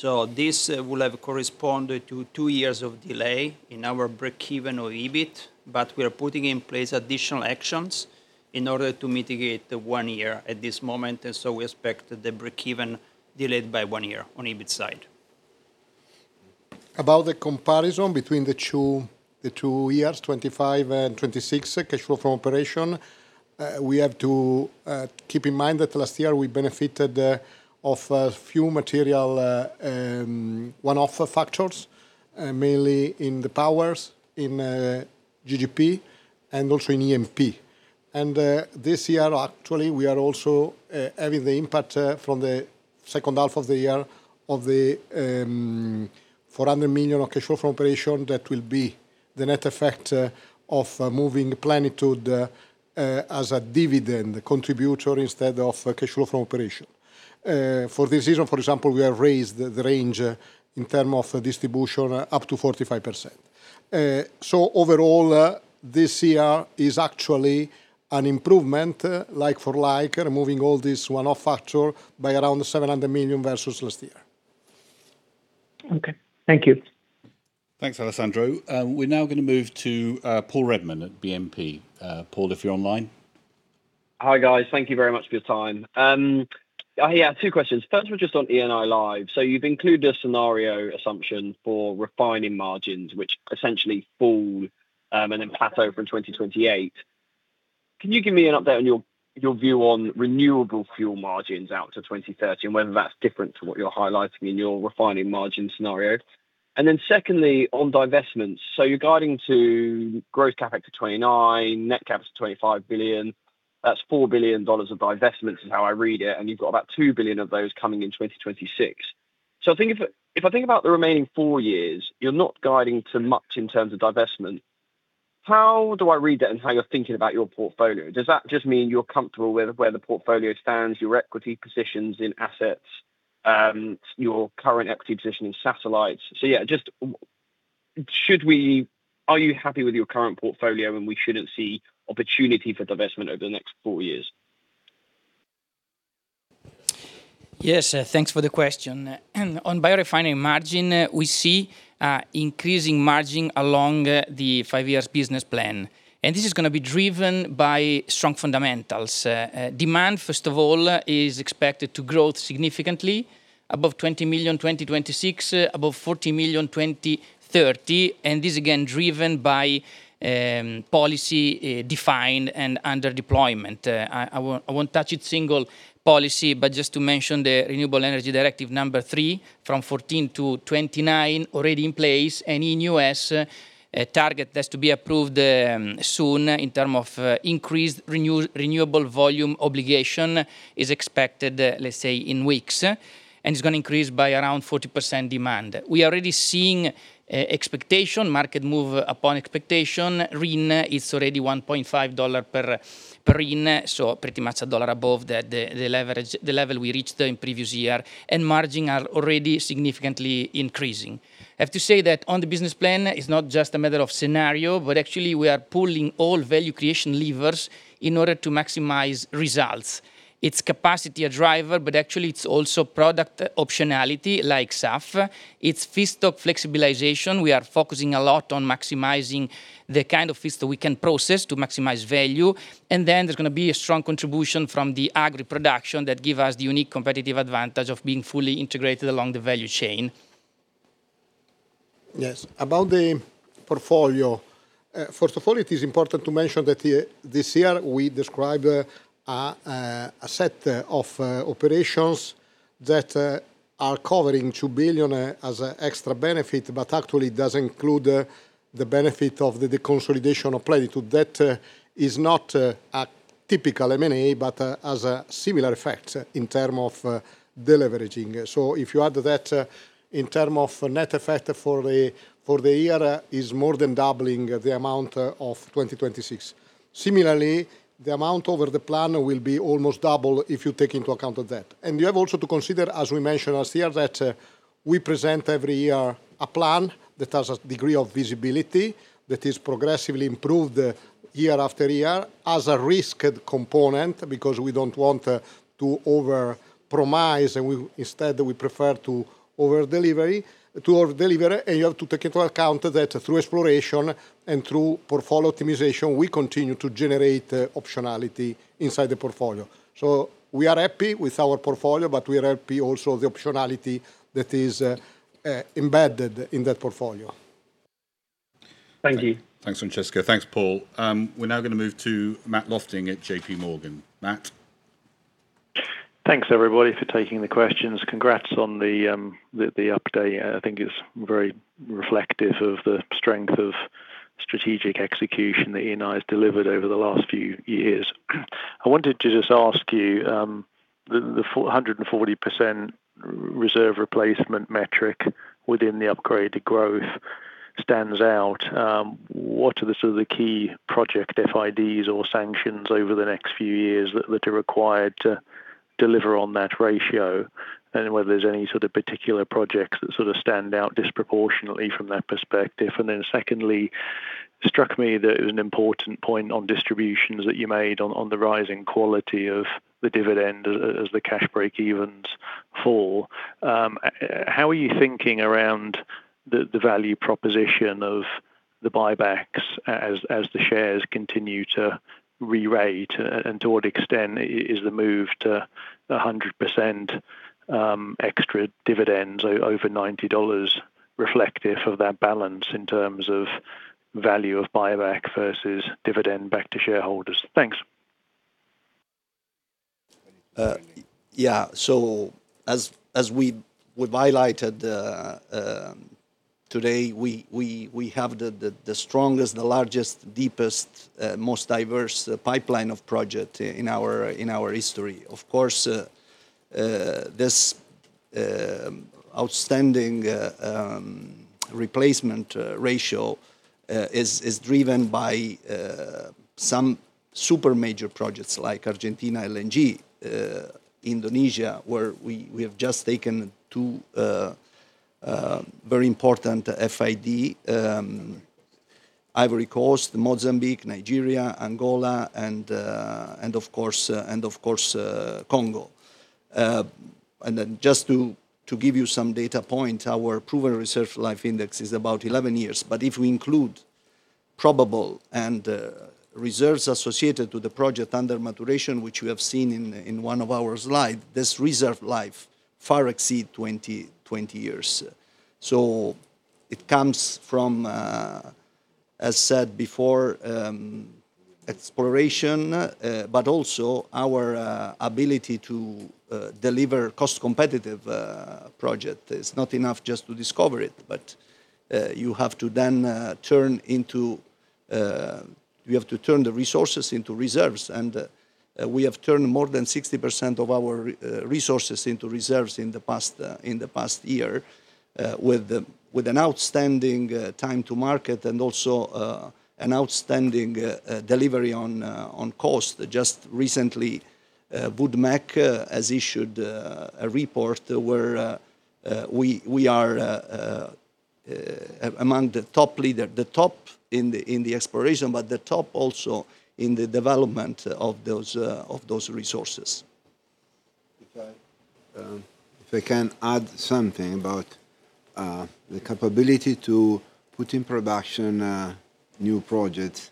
This will have corresponded to two years of delay in our breakeven or EBIT, but we are putting in place additional actions in order to mitigate the one year at this moment, and we expect the breakeven delayed by one year on EBIT side. About the comparison between the two years, 2025 and 2026 cash flow from operations, we have to keep in mind that last year we benefited from a few material one-off factors, mainly in the powers, in GGP, and also in EMP. This year, actually, we are also having the impact from the second half of the year of the 400 million of cash flow from operations that will be the net effect of moving Plenitude as a dividend contributor instead of cash flow from operations. For this reason, for example, we have raised the range in terms of distribution up to 45%. Overall, this year is actually an improvement like for like, removing all this one-off factor by around 700 million versus last year. Okay. Thank you. Thanks, Alessandro. We're now gonna move to Paul Redman at BNP. Paul, if you're online. Hi, guys. Thank you very much for your time. Yeah, two questions. First one just on Enilive. So you've included a scenario assumption for refining margins, which essentially fall and then plateau from 2028. Can you give me an update on your view on renewable fuel margins out to 2030, and whether that's different to what you're highlighting in your refining margin scenario? Then secondly, on divestments. So you're guiding to growth CapEx to 2029, net CapEx to 25 billion. That's $4 billion of divestments is how I read it, and you've got about $2 billion of those coming in 2026. So I think if I think about the remaining four years, you're not guiding to much in terms of divestment. How do I read that in how you're thinking about your portfolio? Does that just mean you're comfortable with where the portfolio stands, your equity positions in assets, your current equity position in satellites? So yeah, are you happy with your current portfolio, and we shouldn't see opportunity for divestment over the next four years? Yes. Thanks for the question. On biorefinery margin, we see increasing margin along the five years business plan, and this is gonna be driven by strong fundamentals. Demand, first of all, is expected to grow significantly above 20 million 2026, above 40 million 2030, and this again driven by policy defined and under deployment. I won't touch each single policy, but just to mention the RED III from 14%-29% already in place. In U.S., a target that's to be approved soon in terms of increased renewable volume obligation is expected, let's say, in weeks, and it's gonna increase by around 40% demand. We are already seeing expectation, market move upon expectation. RIN is already $1.5 per RIN, so pretty much a dollar above the level we reached in previous year, and margin are already significantly increasing. I have to say that on the business plan, it's not just a matter of scenario, but actually we are pulling all value creation levers in order to maximize results. It's capacity a driver, but actually it's also product optionality like SAF. It's feedstock flexibilization. We are focusing a lot on maximizing the kind of feedstock we can process to maximize value. There's gonna be a strong contribution from the agri production that give us the unique competitive advantage of being fully integrated along the value chain. Yes. About the portfolio, first of all, it is important to mention that here, this year we described a set of operations that are covering 2 billion as an extra benefit, but actually it does include the benefit of the deconsolidation of Plenitude. That is not a typical M&A but has a similar effect in terms of deleveraging. If you add to that in terms of net effect for the year is more than doubling the amount of 2026. Similarly, the amount over the plan will be almost double if you take into account of that. You have also to consider, as we mentioned last year, that we present every year a plan that has a degree of visibility that is progressively improved year after year as a risk component because we don't want to overpromise, and instead we prefer to overdeliver. You have to take into account that through exploration and through portfolio optimization, we continue to generate optionality inside the portfolio. We are happy with our portfolio, but we are happy also the optionality that is embedded in that portfolio. Thanks, Francesco. Thanks, Paul. We're now gonna move to Matt Lofting at J.P. Morgan. Matt? Thanks everybody for taking the questions. Congrats on the update. I think it's very reflective of the strength of strategic execution that Eni has delivered over the last few years. I wanted to just ask you the 440% reserve replacement metric within the upgraded growth stands out. What are the sort of key project FIDs or sanctions over the next few years that are required to deliver on that ratio? And whether there's any sort of particular projects that sort of stand out disproportionately from that perspective? And then secondly, it struck me that it was an important point on distributions that you made on the rising quality of the dividend as the cash break-evens fall. How are you thinking around the value proposition of the buybacks as the shares continue to rerate, and to what extent is the move to 100% extra dividends over $90 reflective of that balance in terms of value of buyback versus dividend back to shareholders? Thanks. Yeah. As we have highlighted today, we have the strongest, the largest, deepest, most diverse pipeline of project in our history. Of course, this outstanding replacement ratio is driven by some super major projects like Argentina LNG, Indonesia, where we have just taken two very important FID, Côte d'Ivoire, Mozambique, Nigeria, Angola, and of course, Congo. Just to give you some data point, our proven reserve life index is about 11 years. If we include probable and reserves associated to the project under maturation, which we have seen in one of our slide, this reserve life far exceed 20 years. It comes from, as said before, exploration, but also our ability to deliver cost competitive project. It's not enough just to discover it, but you have to then turn the resources into reserves. We have turned more than 60% of our resources into reserves in the past year, with an outstanding time to market and also an outstanding delivery on cost. Just recently, Wood Mackenzie has issued a report where we are among the top leader. The top in the exploration, but the top also in the development of those resources. If I can add something about the capability to put in production new projects.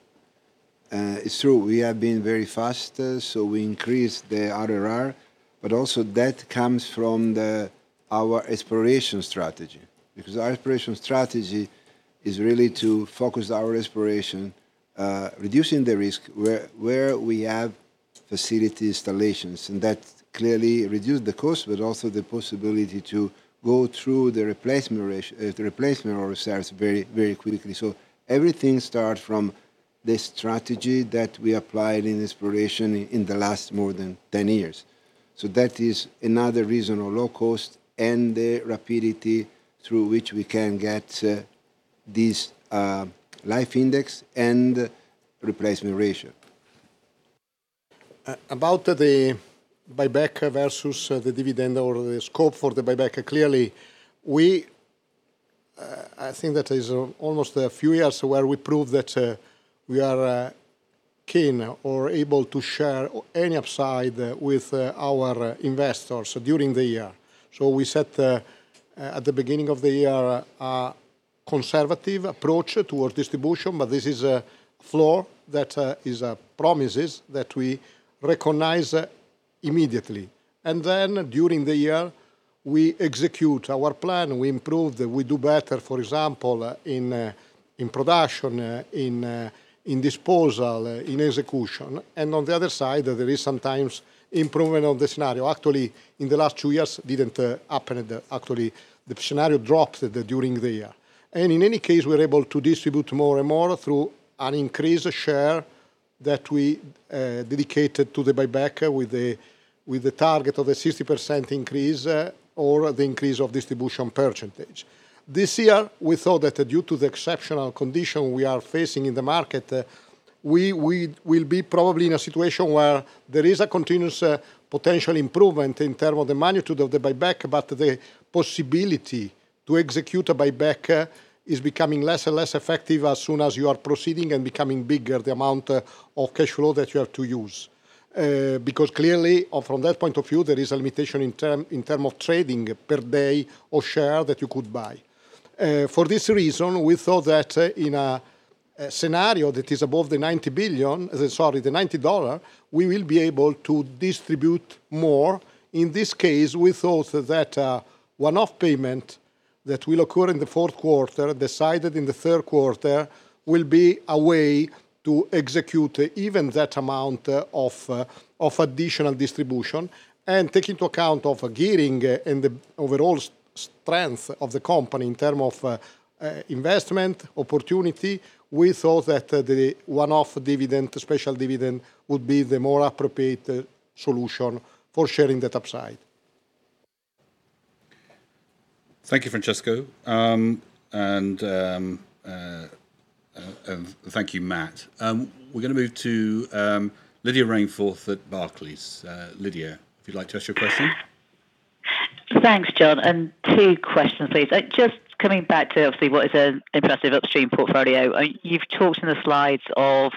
It's true, we have been very fast, so we increased the IRR, but also that comes from our exploration strategy. Because our exploration strategy is really to focus our exploration, reducing the risk where we have facility installations. That clearly reduced the cost, but also the possibility to go through the replacement of reserves very quickly. Everything start from the strategy that we applied in exploration in the last more than 10 years. That is another reason of low cost and the rapidity through which we can get this life index and replacement ratio. About the buyback versus the dividend or the scope for the buyback, clearly, we, I think that is almost a few years where we proved that, we are keen or able to share any upside with our investors during the year. We set at the beginning of the year a conservative approach towards distribution, but this is a floor that is promises that we recognize immediately. During the year, we execute our plan, we improve, we do better, for example, in production, in disposal, in execution. On the other side, there is sometimes improvement of the scenario. Actually, in the last two years, it didn't happen. Actually, the scenario dropped during the year. In any case, we're able to distribute more and more through an increased share that we dedicated to the buyback with a target of a 60% increase or the increase of distribution percentage. This year, we thought that due to the exceptional condition we are facing in the market, we will be probably in a situation where there is a continuous potential improvement in terms of the magnitude of the buyback. The possibility to execute a buyback is becoming less and less effective as soon as you are proceeding and becoming bigger the amount of cash flow that you have to use. Because clearly from that point of view, there is a limitation in terms of trading per day or share that you could buy. For this reason, we thought that in a scenario that is above the $90, we will be able to distribute more. In this case, we thought that a one-off payment that will occur in the fourth quarter, decided in the third quarter, will be a way to execute even that amount of additional distribution. Taking into account a gearing and the overall strength of the company in terms of investment opportunity, we thought that the one-off dividend, the special dividend, would be the more appropriate solution for sharing that upside. Thank you, Francesco. Thank you, Matt. We're gonna move to Lydia Rainforth at Barclays. Lydia, if you'd like to ask your question. Thanks, Jon, and two questions, please. Just coming back to obviously what is an impressive upstream portfolio. You've talked in the slides of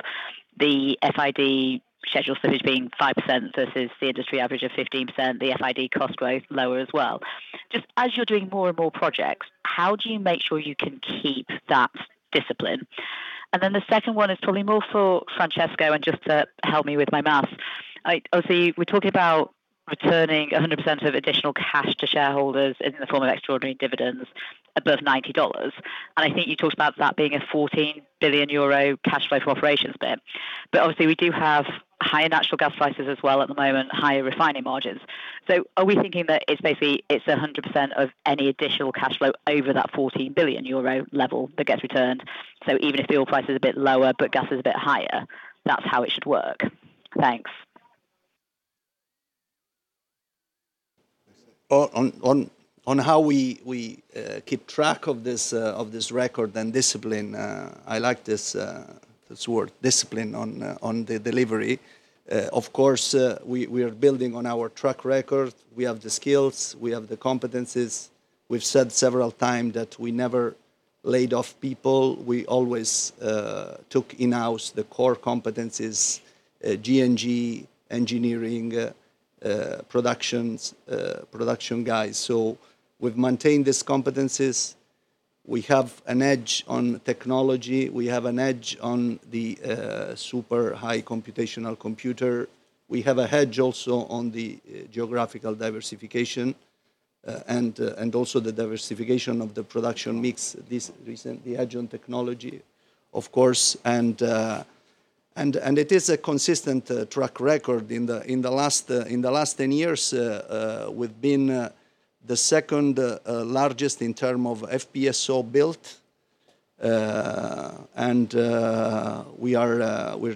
the FID schedule slippage being 5% versus the industry average of 15%, the FID cost growth lower as well. Just as you're doing more and more projects, how do you make sure you can keep that discipline? Then the second one is probably more for Francesco Gattei and just to help me with my math. Obviously, we're talking about returning 100% of additional cash to shareholders in the form of extraordinary dividends above $90. And I think you talked about that being a 40 billion euro CFFO. But obviously we do have higher natural gas prices as well at the moment, higher refining margins. Are we thinking that it's basically 100% of any additional cash flow over that 40 billion euro level that gets returned? Even if the oil price is a bit lower, but gas is a bit higher, that's how it should work? Thanks. On how we keep track of the track record and discipline, I like this word discipline on the delivery. Of course, we are building on our track record. We have the skills, we have the competencies. We've said several times that we never laid off people. We always took in-house the core competencies, G&G, engineering, production guys. So we've maintained these competencies. We have an edge on technology. We have an edge on the supercomputer. We have an edge also on the geographical diversification, and also the diversification of the production mix, this recent edge on technology, of course. It is a consistent track record. In the last 10 years, we've been the second largest in terms of FPSO built. We're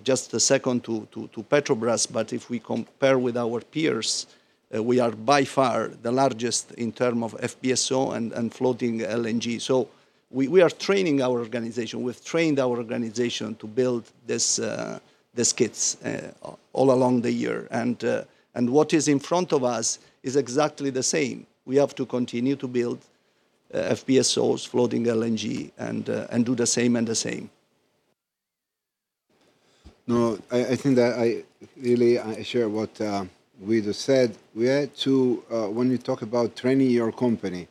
just the second to Petrobras. If we compare with our peers, we are by far the largest in terms of FPSO and floating LNG. We are training our organization. We've trained our organization to build this, the skids, all along the year. What is in front of us is exactly the same. We have to continue to build FPSOs, floating LNG, and do the same. No, I think that I really share what Guido said. When you talk about training` your company,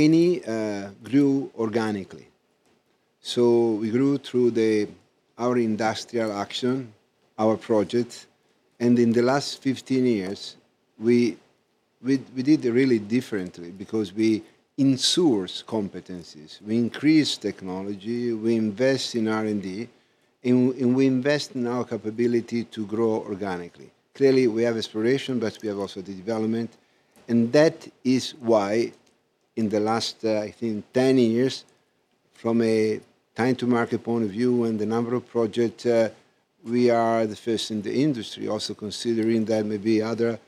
Eni grew organically. We grew through our industrial action, our projects. In the last 15 years, we did it really differently because we insource competencies, we increase technology, we invest in R&D and we invest in our capability to grow organically. Clearly, we have exploration, but we have also the development. That is why in the last, I think 10 years from a time to market point of view and the number of project, we are the first in the industry also considering that maybe others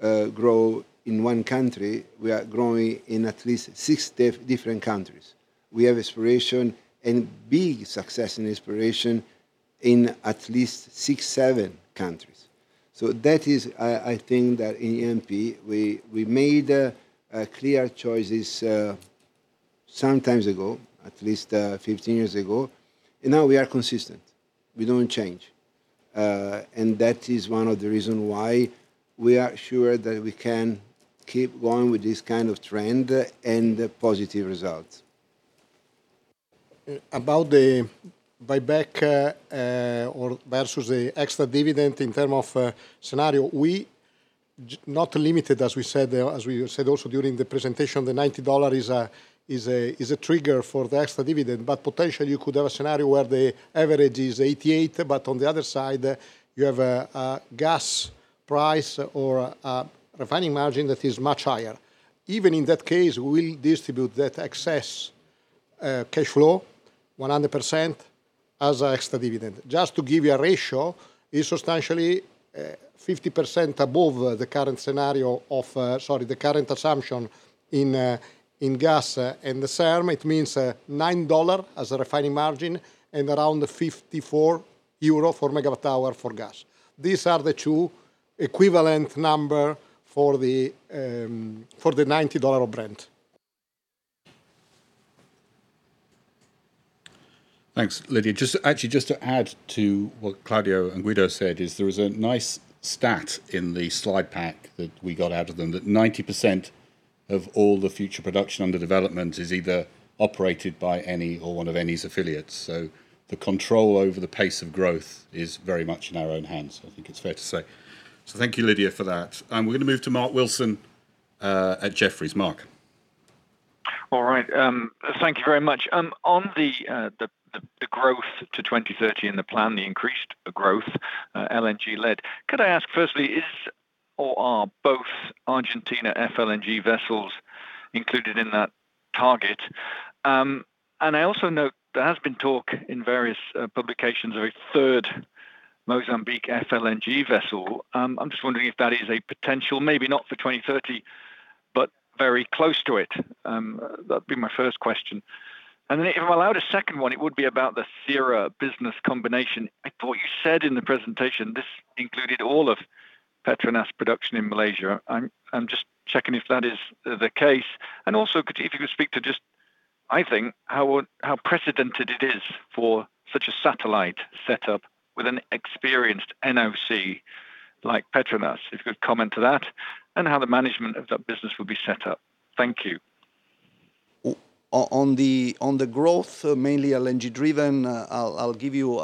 grow in one country. We are growing in at least six different countries. We have exploration and big success in exploration in at least 6-7 countries. That is, I think that in Eni, we made clear choices some time ago, at least 15 years ago. Now we are consistent. We don't change. That is one of the reason why we are sure that we can keep going with this kind of trend and the positive results. About the buyback or versus the extra dividend in term of scenario, we not limited, as we said also during the presentation, the $90 is a trigger for the extra dividend, but potentially you could have a scenario where the average is 88, but on the other side you have a gas price or a refining margin that is much higher. Even in that case, we'll distribute that excess cash flow 100% as a extra dividend. Just to give you a ratio, it's substantially 50% above the current scenario of the current assumption in gas. In the SERM, it means nine dollar as a refining margin and around 54 euro for megawatt hour for gas. These are the two equivalent number for the $90 Brent. Thanks, Lydia. Just, actually, just to add to what Claudio and Guido said, there is a nice stat in the slide pack that we got out of them that 90% of all the future production under development is either operated by Eni or one of Eni's affiliates. The control over the pace of growth is very much in our own hands, I think it's fair to say. Thank you, Lydia, for that. We're gonna move to Mark Wilson at Jefferies. Mark All right. Thank you very much. On the growth to 2030 in the plan, the increased growth, LNG-led, could I ask firstly, is or are both Argentina FLNG vessels included in that target? I also note there has been talk in various publications of a third Mozambique FLNG vessel. I'm just wondering if that is a potential, maybe not for 2030, but very close to it. That'd be my first question. Then if I'm allowed a second one, it would be about the Seria business combination. I thought you said in the presentation this included all of Petronas production in Malaysia. I'm just checking if that is the case. Also, if you could speak to just, I think, how would. How unprecedented it is for such a satellite set up with an experienced NOC like Petronas, if you could comment on that, and how the management of that business will be set up. Thank you. On the growth, mainly LNG-driven, I'll give you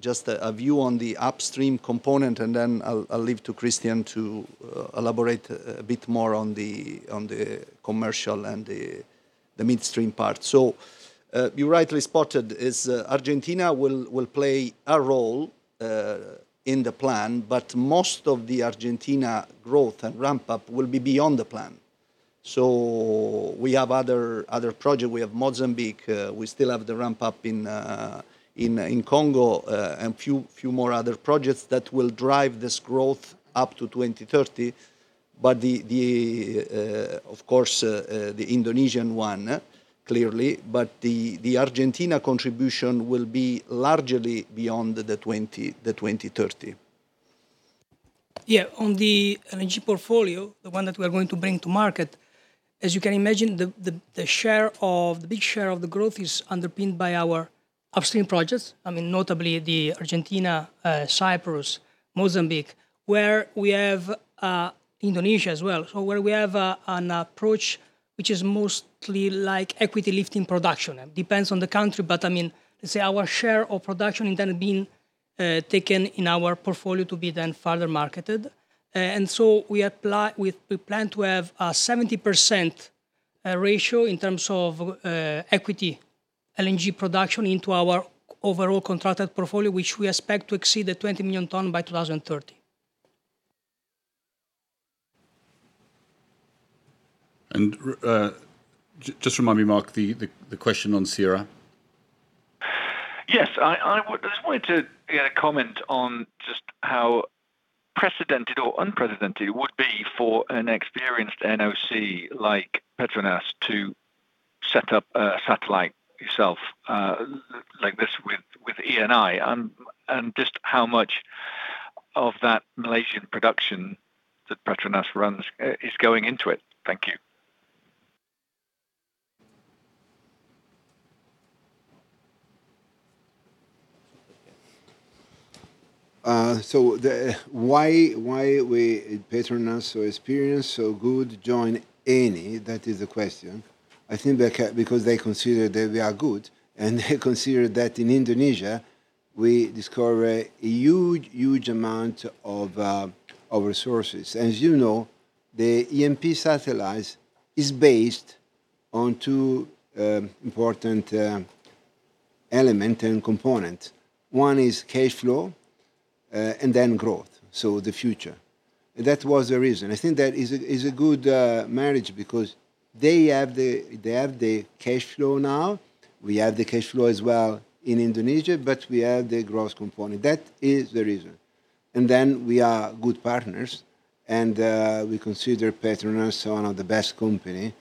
just a view on the upstream component, and then I'll leave to Christian to elaborate a bit more on the commercial and the midstream part. You rightly spotted is Argentina will play a role in the plan, but most of the Argentina growth and ramp up will be beyond the plan. We have other project. We have Mozambique, we still have the ramp up in Congo, and few more other projects that will drive this growth up to 2030. Of course, the Indonesian one clearly, but the Argentina contribution will be largely beyond the 2030. Yeah. On the LNG portfolio, the one that we are going to bring to market, as you can imagine, the big share of the growth is underpinned by our upstream projects. I mean, notably Argentina, Cyprus, Mozambique, Indonesia as well. We have an approach which is mostly like equity lifting production. Depends on the country, but I mean, our share of production and then being taken in our portfolio to be then further marketed. We plan to have a 70% ratio in terms of equity LNG production into our overall contracted portfolio, which we expect to exceed 20 million tons by 2030. Just remind me, Mark, the question on Sierra. Yes. I just wanted to get a comment on just how precedented or unprecedented it would be for an experienced NOC like Petronas to set up a satellite itself, like this with Eni. Just how much of that Malaysian production that Petronas runs is going into it. Thank you. Why Petronas so experienced, so good join Eni? That is the question. I think because they consider that we are good, and they consider that in Indonesia we discover a huge amount of resources. As you know, Eni's strategy is based on two important element and component. One is cash flow, and then growth, so the future. That was the reason. I think that is a good marriage because they have the cash flow now, we have the cash flow as well in Indonesia, but we have the growth component. That is the reason. Then we are good partners, and we consider Petronas one of the best company.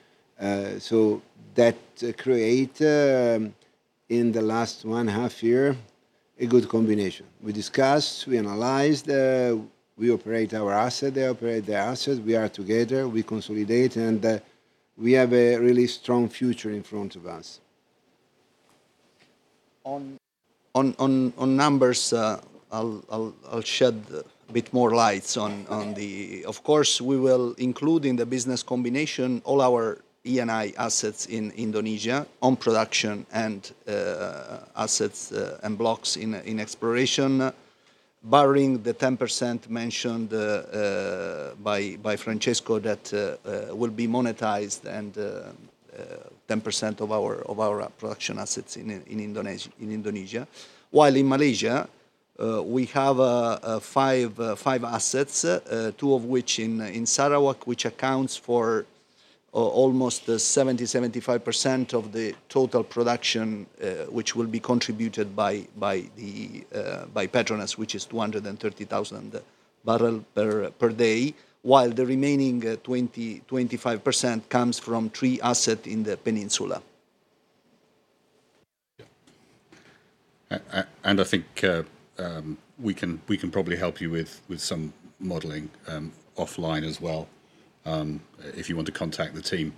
So that create, in the last one half year a good combination. We discuss, we analyze, we operate our asset, they operate their asset, we are together, we consolidate, and we have a really strong future in front of us. On numbers, I'll shed a bit more light on the. Of course, we will include in the business combination all our Eni assets in Indonesia in production and assets and blocks in exploration. Barring the 10% mentioned by Francesco that will be monetized and 10% of our production assets in Indonesia. In Malaysia, we have five assets, two of which in Sarawak, which accounts for almost 75% of the total production, which will be contributed by Petronas, which is 230,000 barrel per day, while the remaining 25% comes from three asset in the peninsula. I think we can probably help you with some modeling offline as well, if you want to contact the team.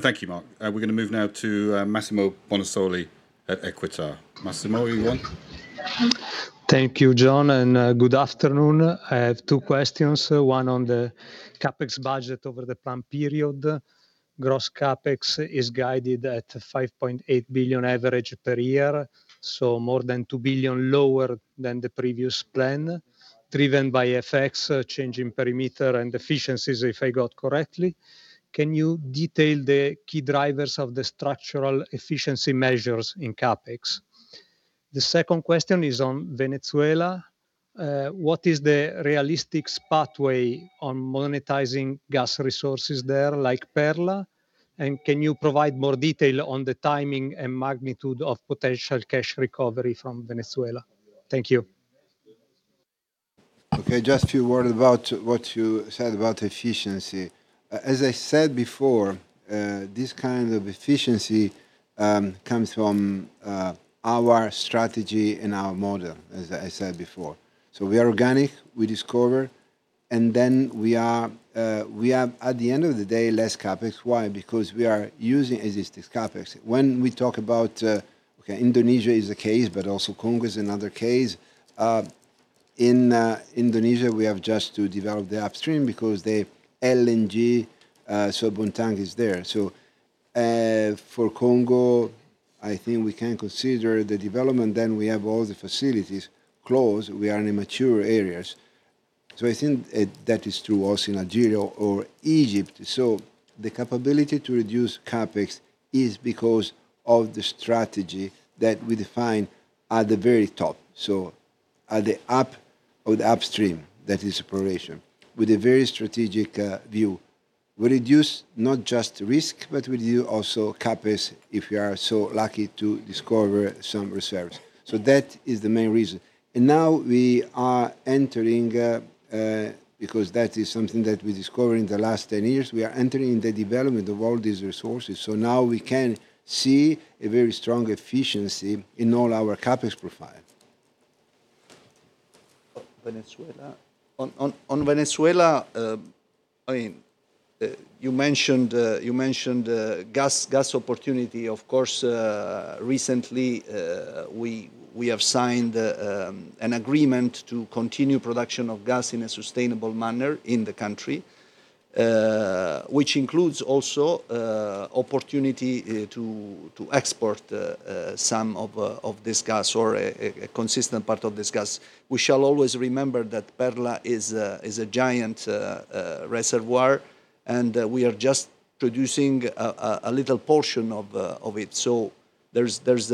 Thank you, Mark. We're gonna move now to Massimo Bonisoli at Equita. Massimo, are you on? Thank you, Jon, and good afternoon. I have two questions. One on the CapEx budget over the planned period. Gross CapEx is guided at 5.8 billion average per year, so more than 2 billion lower than the previous plan, driven by FX, changing perimeter and efficiencies, if I got it correctly. Can you detail the key drivers of the structural efficiency measures in CapEx? The second question is on Venezuela. What is the realistic pathway on monetizing gas resources there, like Perla? And can you provide more detail on the timing and magnitude of potential cash recovery from Venezuela? Thank you. Okay. Just a few words about what you said about efficiency. As I said before, this kind of efficiency comes from our strategy and our model, as I said before. We are organic, we discover, and then we are at the end of the day, less CapEx. Why? Because we are using existing CapEx. When we talk about, okay, Indonesia is a case, but also Congo is another case. In Indonesia, we have just to develop the upstream because the LNG, Bontang is there. For Congo, I think we can consider the development, then we have all the facilities close. We are in mature areas. I think that is true also in Algeria or Egypt. The capability to reduce CapEx is because of the strategy that we define at the very top. At the upstream, that is exploration, with a very strategic view. We reduce not just risk, but we reduce also CapEx if we are so lucky to discover some reserves. That is the main reason. Now we are entering, because that is something that we discover in the last 10 years, we are entering the development of all these resources. Now we can see a very strong efficiency in all our CapEx profile. Venezuela. On Venezuela, I mean, you mentioned gas opportunity. Of course, recently, we have signed an agreement to continue production of gas in a sustainable manner in the country, which includes also opportunity to export some of this gas or a consistent part of this gas. We shall always remember that Perla is a giant reservoir, and we are just producing a little portion of it. There's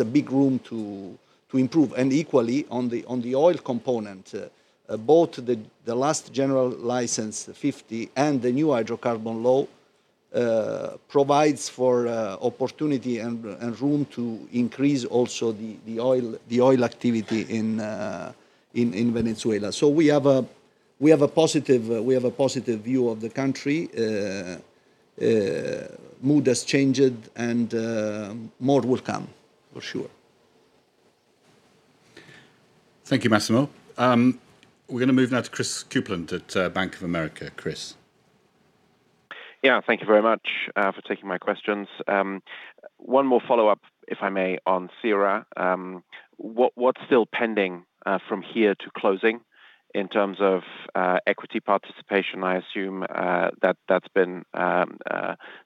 a big room to improve. Equally on the oil component, both the last General License 50 and the new hydrocarbon law provides for opportunity and room to increase also the oil activity in Venezuela. We have a positive view of the country. Mood has changed, and more will come, for sure. Thank you, Massimo. We're gonna move now to Christopher Kuplent at Bank of America. Chris. Yeah. Thank you very much for taking my questions. One more follow-up, if I may, on Searah. What's still pending from here to closing in terms of equity participation? I assume that that's been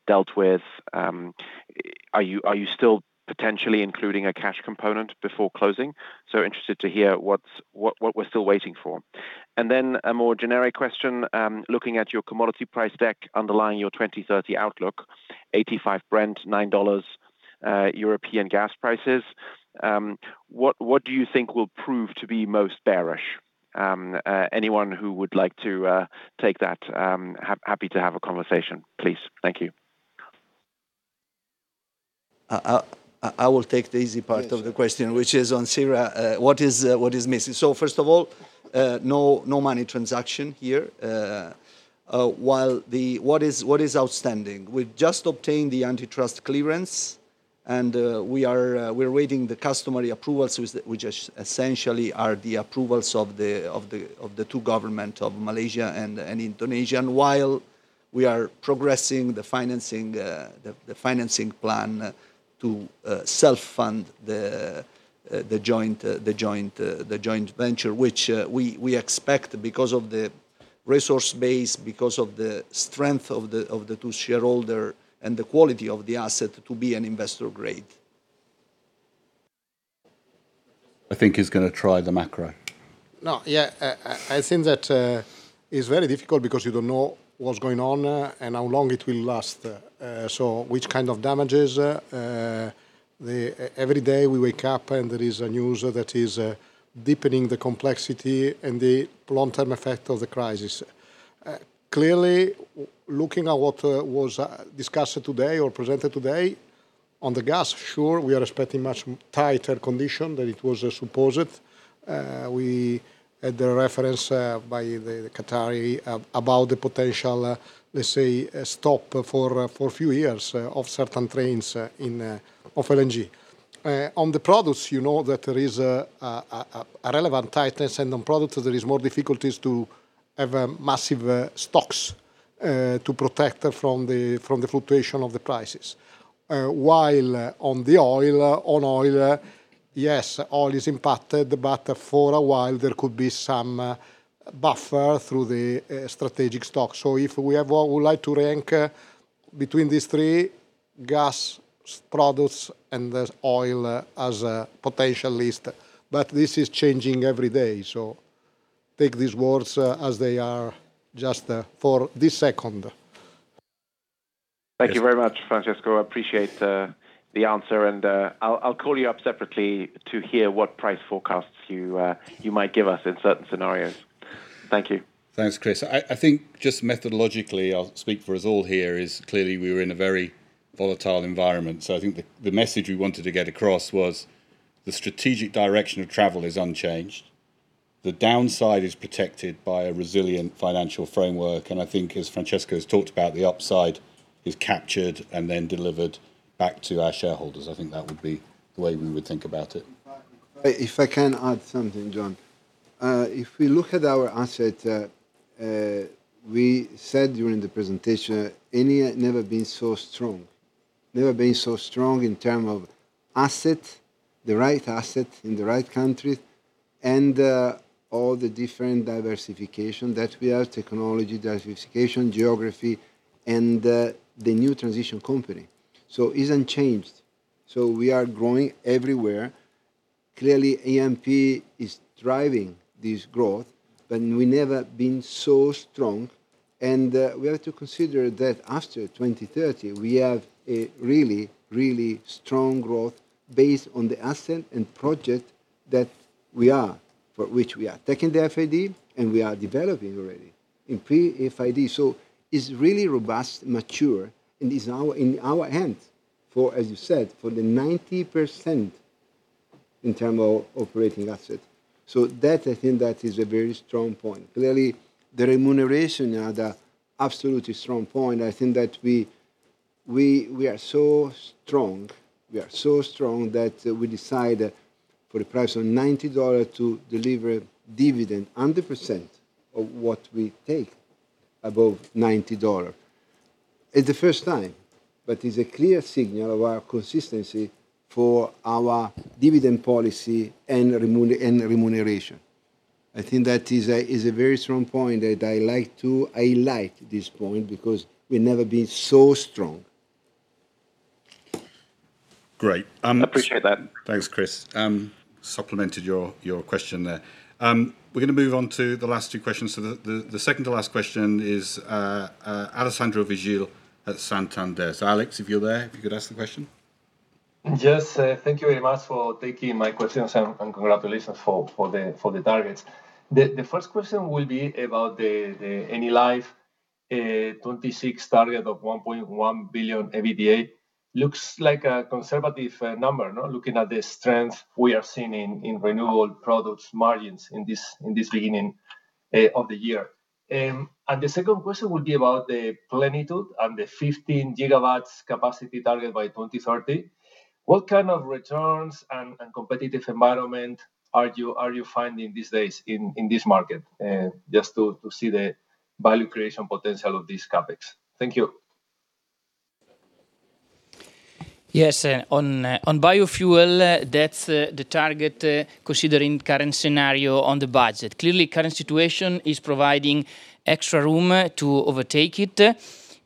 dealt with. Are you still potentially including a cash component before closing? Interested to hear what we're still waiting for. A more generic question, looking at your commodity price deck underlying your 2030 outlook, $85 Brent, $9 European gas prices, what do you think will prove to be most bearish? Anyone who would like to take that, happy to have a conversation, please. Thank you. I will take the easy part of the question, which is on CERA. What is missing? First of all, no money transaction here. What is outstanding? We've just obtained the antitrust clearance, and we are awaiting the customary approvals, which essentially are the approvals of the two governments of Malaysia and Indonesia. While we are progressing the financing, the financing plan to self-fund the joint venture, which we expect because of the resource base, because of the strength of the two shareholders and the quality of the asset to be investment grade. I think he's gonna try the macro. No, yeah. I think that it's very difficult because you don't know what's going on and how long it will last. Every day we wake up and there is a news that is deepening the complexity and the long-term effect of the crisis. Clearly, looking at what was discussed today or presented today, on the gas, sure, we are expecting much tighter condition than it was supposed. We had the reference by the Qatari about the potential, let's say, a stop for a few years of certain trains in of LNG. On the products, you know that there is a relevant tightness, and on products there is more difficulties to have massive stocks. To protect from the fluctuation of the prices. While on oil, yes, oil is impacted but for a while there could be some buffer through the strategic stock. If we have what we like to rank between these three gas products and the oil as a potential list. This is changing every day, so take these words as they are just for this second. Thank you very much, Francesco. I appreciate the answer, and I'll call you up separately to hear what price forecasts you might give us in certain scenarios. Thank you. Thanks, Chris. I think just methodologically I'll speak for us all here is clearly we are in a very volatile environment. I think the message we wanted to get across was the strategic direction of travel is unchanged. The downside is protected by a resilient financial framework, and I think as Francesco has talked about, the upside is captured and then delivered back to our shareholders. I think that would be the way we would think about it. If I can add something, Jon. If we look at our asset, we said during the presentation Eni never been so strong. Never been so strong in terms of asset, the right asset in the right country and all the different diversification that we have, technology diversification, geography and the new transition company. It's unchanged. We are growing everywhere. Clearly, AMP is driving this growth, but we never been so strong and we are to consider that after 2030 we have a really strong growth based on the asset and project that we are, for which we are taking the FID and we are developing already in pre-FID. It's really robust, mature, and is in our hands for, as you said, for the 90% in terms of operating asset. I think that is a very strong point. Clearly, the remuneration are the absolutely strong point. I think that we are so strong that we decide for the price of $90 to deliver dividend 100% of what we take above $90. It's the first time, but it's a clear signal of our consistency for our dividend policy and remuneration. I think that is a very strong point that I like to highlight this point, because we've never been so strong. Great. Appreciate that. Thanks, Chris. Supplemented your question there. We're gonna move on to the last two questions. The second to last question is Alessandro Vigil at Santander. Alex, if you're there, if you could ask the question. Yes. Thank you very much for taking my questions and congratulations for the targets. The first question will be about the Enilive 2026 target of 1.1 billion EBITDA. Looks like a conservative number, no? Looking at the strength we are seeing in renewable products margins in this beginning of the year. The second question will be about the Plenitude and the 15 GWs capacity target by 2030. What kind of returns and competitive environment are you finding these days in this market? Just to see the value creation potential of this CapEx. Thank you. Yes. On biofuel, that's the target, considering current scenario on the budget. Clearly current situation is providing extra room to overtake it,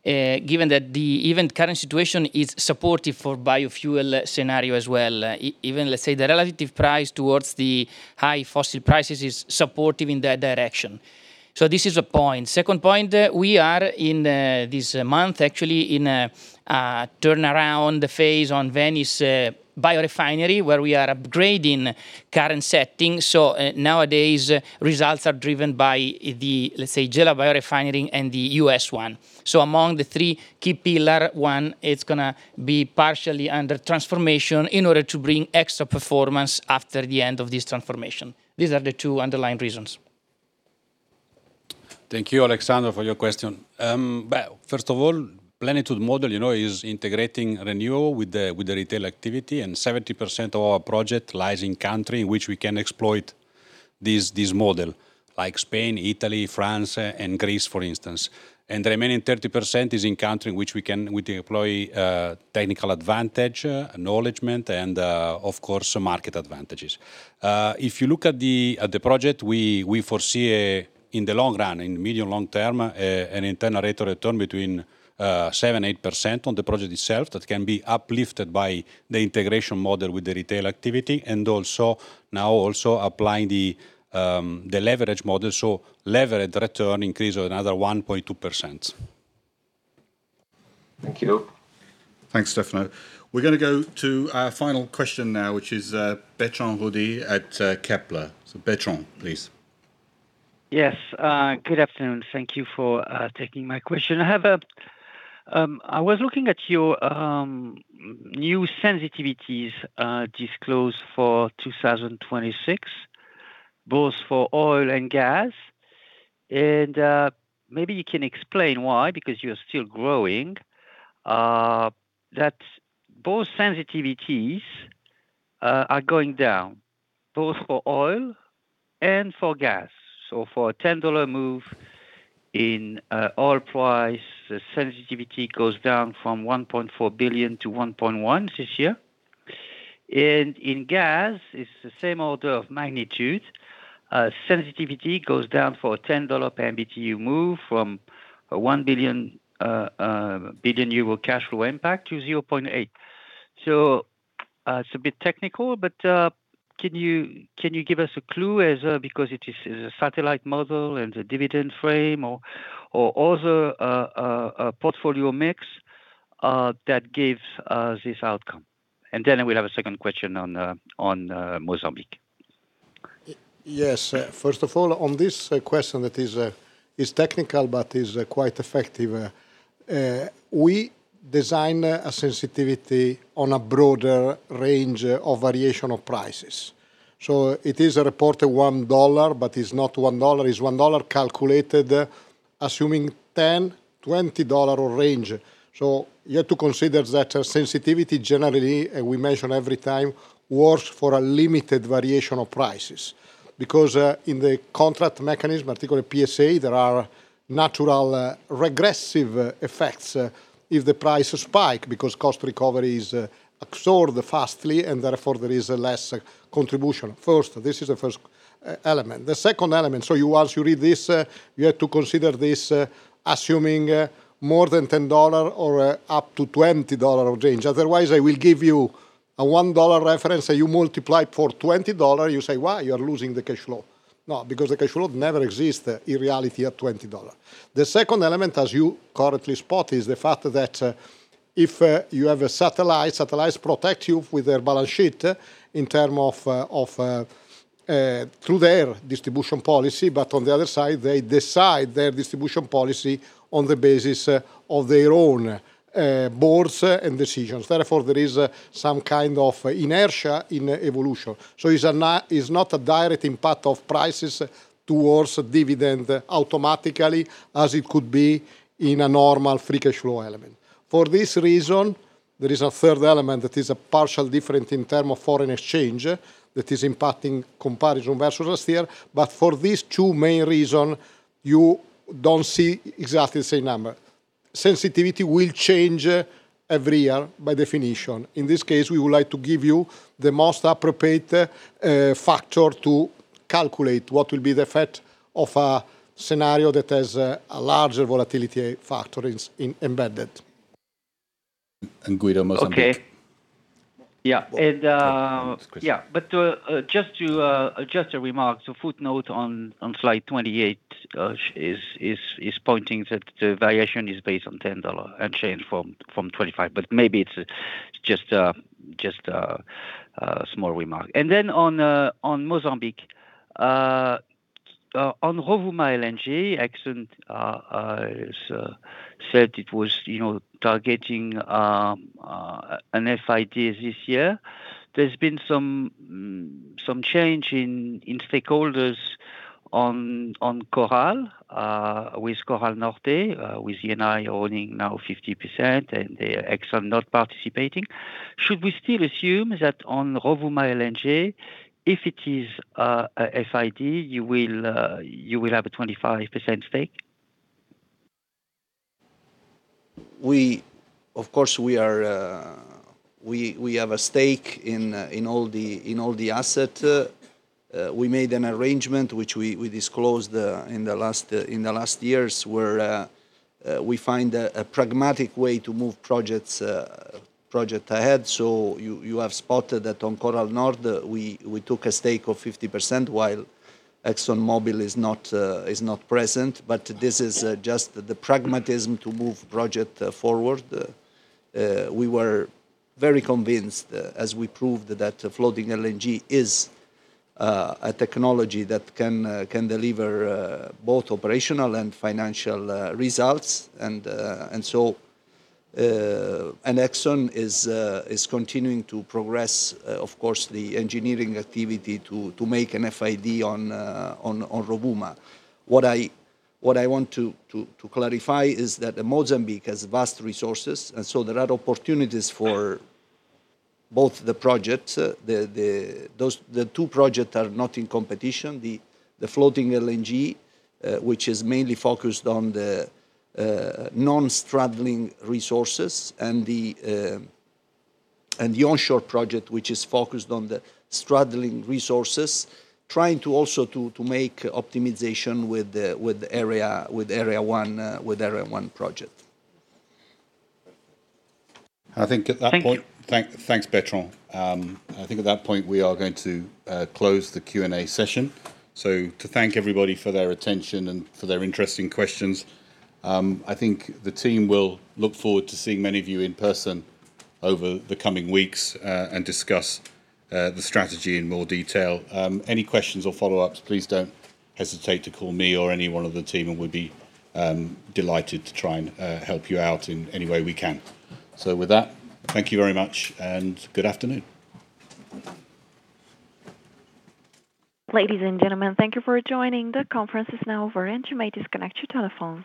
given that even the current situation is supportive for biofuel scenario as well. Even let's say the relative price towards the high fossil prices is supportive in that direction. This is a point. Second point, we are in this month actually in a turnaround phase on Venice biorefinery, where we are upgrading current settings. Nowadays results are driven by the, let's say, Gela biorefinery and the U.S. one. Among the three key pillar, one, it's gonna be partially under transformation in order to bring extra performance after the end of this transformation. These are the two underlying reasons. Thank you, Alessandro, for your question. First of all, Plenitude model, you know, is integrating renewables with the retail activity, and 70% of our project lies in country in which we can exploit this model. Like Spain, Italy, France, and Greece, for instance. The remaining 30% is in country which we can deploy technical advantage, acknowledgement and, of course, market advantages. If you look at the project, we foresee in the long run, in the medium, long term, an internal rate of return between 7%-8% on the project itself that can be uplifted by the integration model with the retail activity, and also now applying the leverage model. Levered return increase of another 1.2%. Thank you. Thanks, Stefano. We're gonna go to our final question now, which is, Bertrand Hodee at Kepler Cheuvreux. Bertrand, please. Yes. Good afternoon. Thank you for taking my question. I was looking at your new sensitivities disclosed for 2026, both for oil and gas. Maybe you can explain why, because you're still growing, that both sensitivities are going down, both for oil and for gas. For a $10 move in oil price, sensitivity goes down from $1.4 billion to $1.1 billion this year. In gas, it's the same order of magnitude. Sensitivity goes down for a $10 per BTU move from 1 billion euro cash flow impact to 0.8 billion. It's a bit technical, but can you give us a clue because it is a satellite model and a dividend frame or other portfolio mix that gives this outcome? I will have a second question on Mozambique. Yes. First of all, on this question that is technical but is quite effective, we design a sensitivity on a broader range of variation in prices. It is a reported $1, but it's not $1. It's $1 calculated assuming $10-$20 range. You have to consider that sensitivity generally, and we mention every time, works for a limited variation in prices. Because in the contract mechanism, particularly PSA, there are natural regressive effects if the prices spike because cost recovery is absorbed fast, and therefore there is less contribution. This is the first element. The second element, once you read this, you have to consider this assuming more than $10 or up to $20 range. Otherwise, I will give you a $1 reference, and you multiply it for $20, you say, "Wow, you are losing the cash flow." No, because the cash flow never exist in reality at $20. The second element, as you correctly spot, is the fact that if you have a satellite, satellites protect you with their balance sheet in terms of through their distribution policy. But on the other side, they decide their distribution policy on the basis of their own boards and decisions. Therefore, there is some kind of inertia in evolution. It's not a direct impact of prices towards dividend automatically as it could be in a normal free cash flow element. For this reason, there is a third element that is a partial difference in terms of foreign exchange that is impacting comparison versus last year. For these two main reasons, you don't see exactly the same number. Sensitivity will change every year by definition. In this case, we would like to give you the most appropriate factor to calculate what will be the effect of a scenario that has a larger volatility factor is embedded. Guido, Mozambique. Okay. Yeah. Next question. Just a remark. The footnote on slide 28 is pointing that the variation is based on $10 and changed from $25. Maybe it's just a small remark. On Mozambique, on Rovuma LNG, ExxonMobil said it was, you know, targeting an FID this year. There's been some change in stakeholders on Coral with Coral Norte with Eni owning now 50% and ExxonMobil not participating. Should we still assume that on Rovuma LNG, if it is a FID, you will have a 25% stake? Of course, we are. We have a stake in all the asset. We made an arrangement which we disclosed in the last years, where we find a pragmatic way to move projects ahead. You have spotted that on Coral Norte, we took a stake of 50% while ExxonMobil is not present. This is just the pragmatism to move project forward. We were very convinced, as we proved that floating LNG is a technology that can deliver both operational and financial results. ExxonMobil is continuing to progress, of course, the engineering activity to make an FID on Rovuma. What I want to clarify is that Mozambique has vast resources, and so there are opportunities for both the projects. The two projects are not in competition. The floating LNG, which is mainly focused on the non-straddling resources, and the onshore project, which is focused on the straddling resources, trying to also make optimization with the Area One project. I think at that point. Thank you. Thanks, Bertrand. I think at that point we are going to close the Q&A session. To thank everybody for their attention and for their interesting questions. I think the team will look forward to seeing many of you in person over the coming weeks and discuss the strategy in more detail. Any questions or follow-ups, please don't hesitate to call me or any one of the team, and we'd be delighted to try and help you out in any way we can. With that, thank you very much and good afternoon. Ladies and gentlemen, thank you for joining. The conference is now over, and you may disconnect your telephones.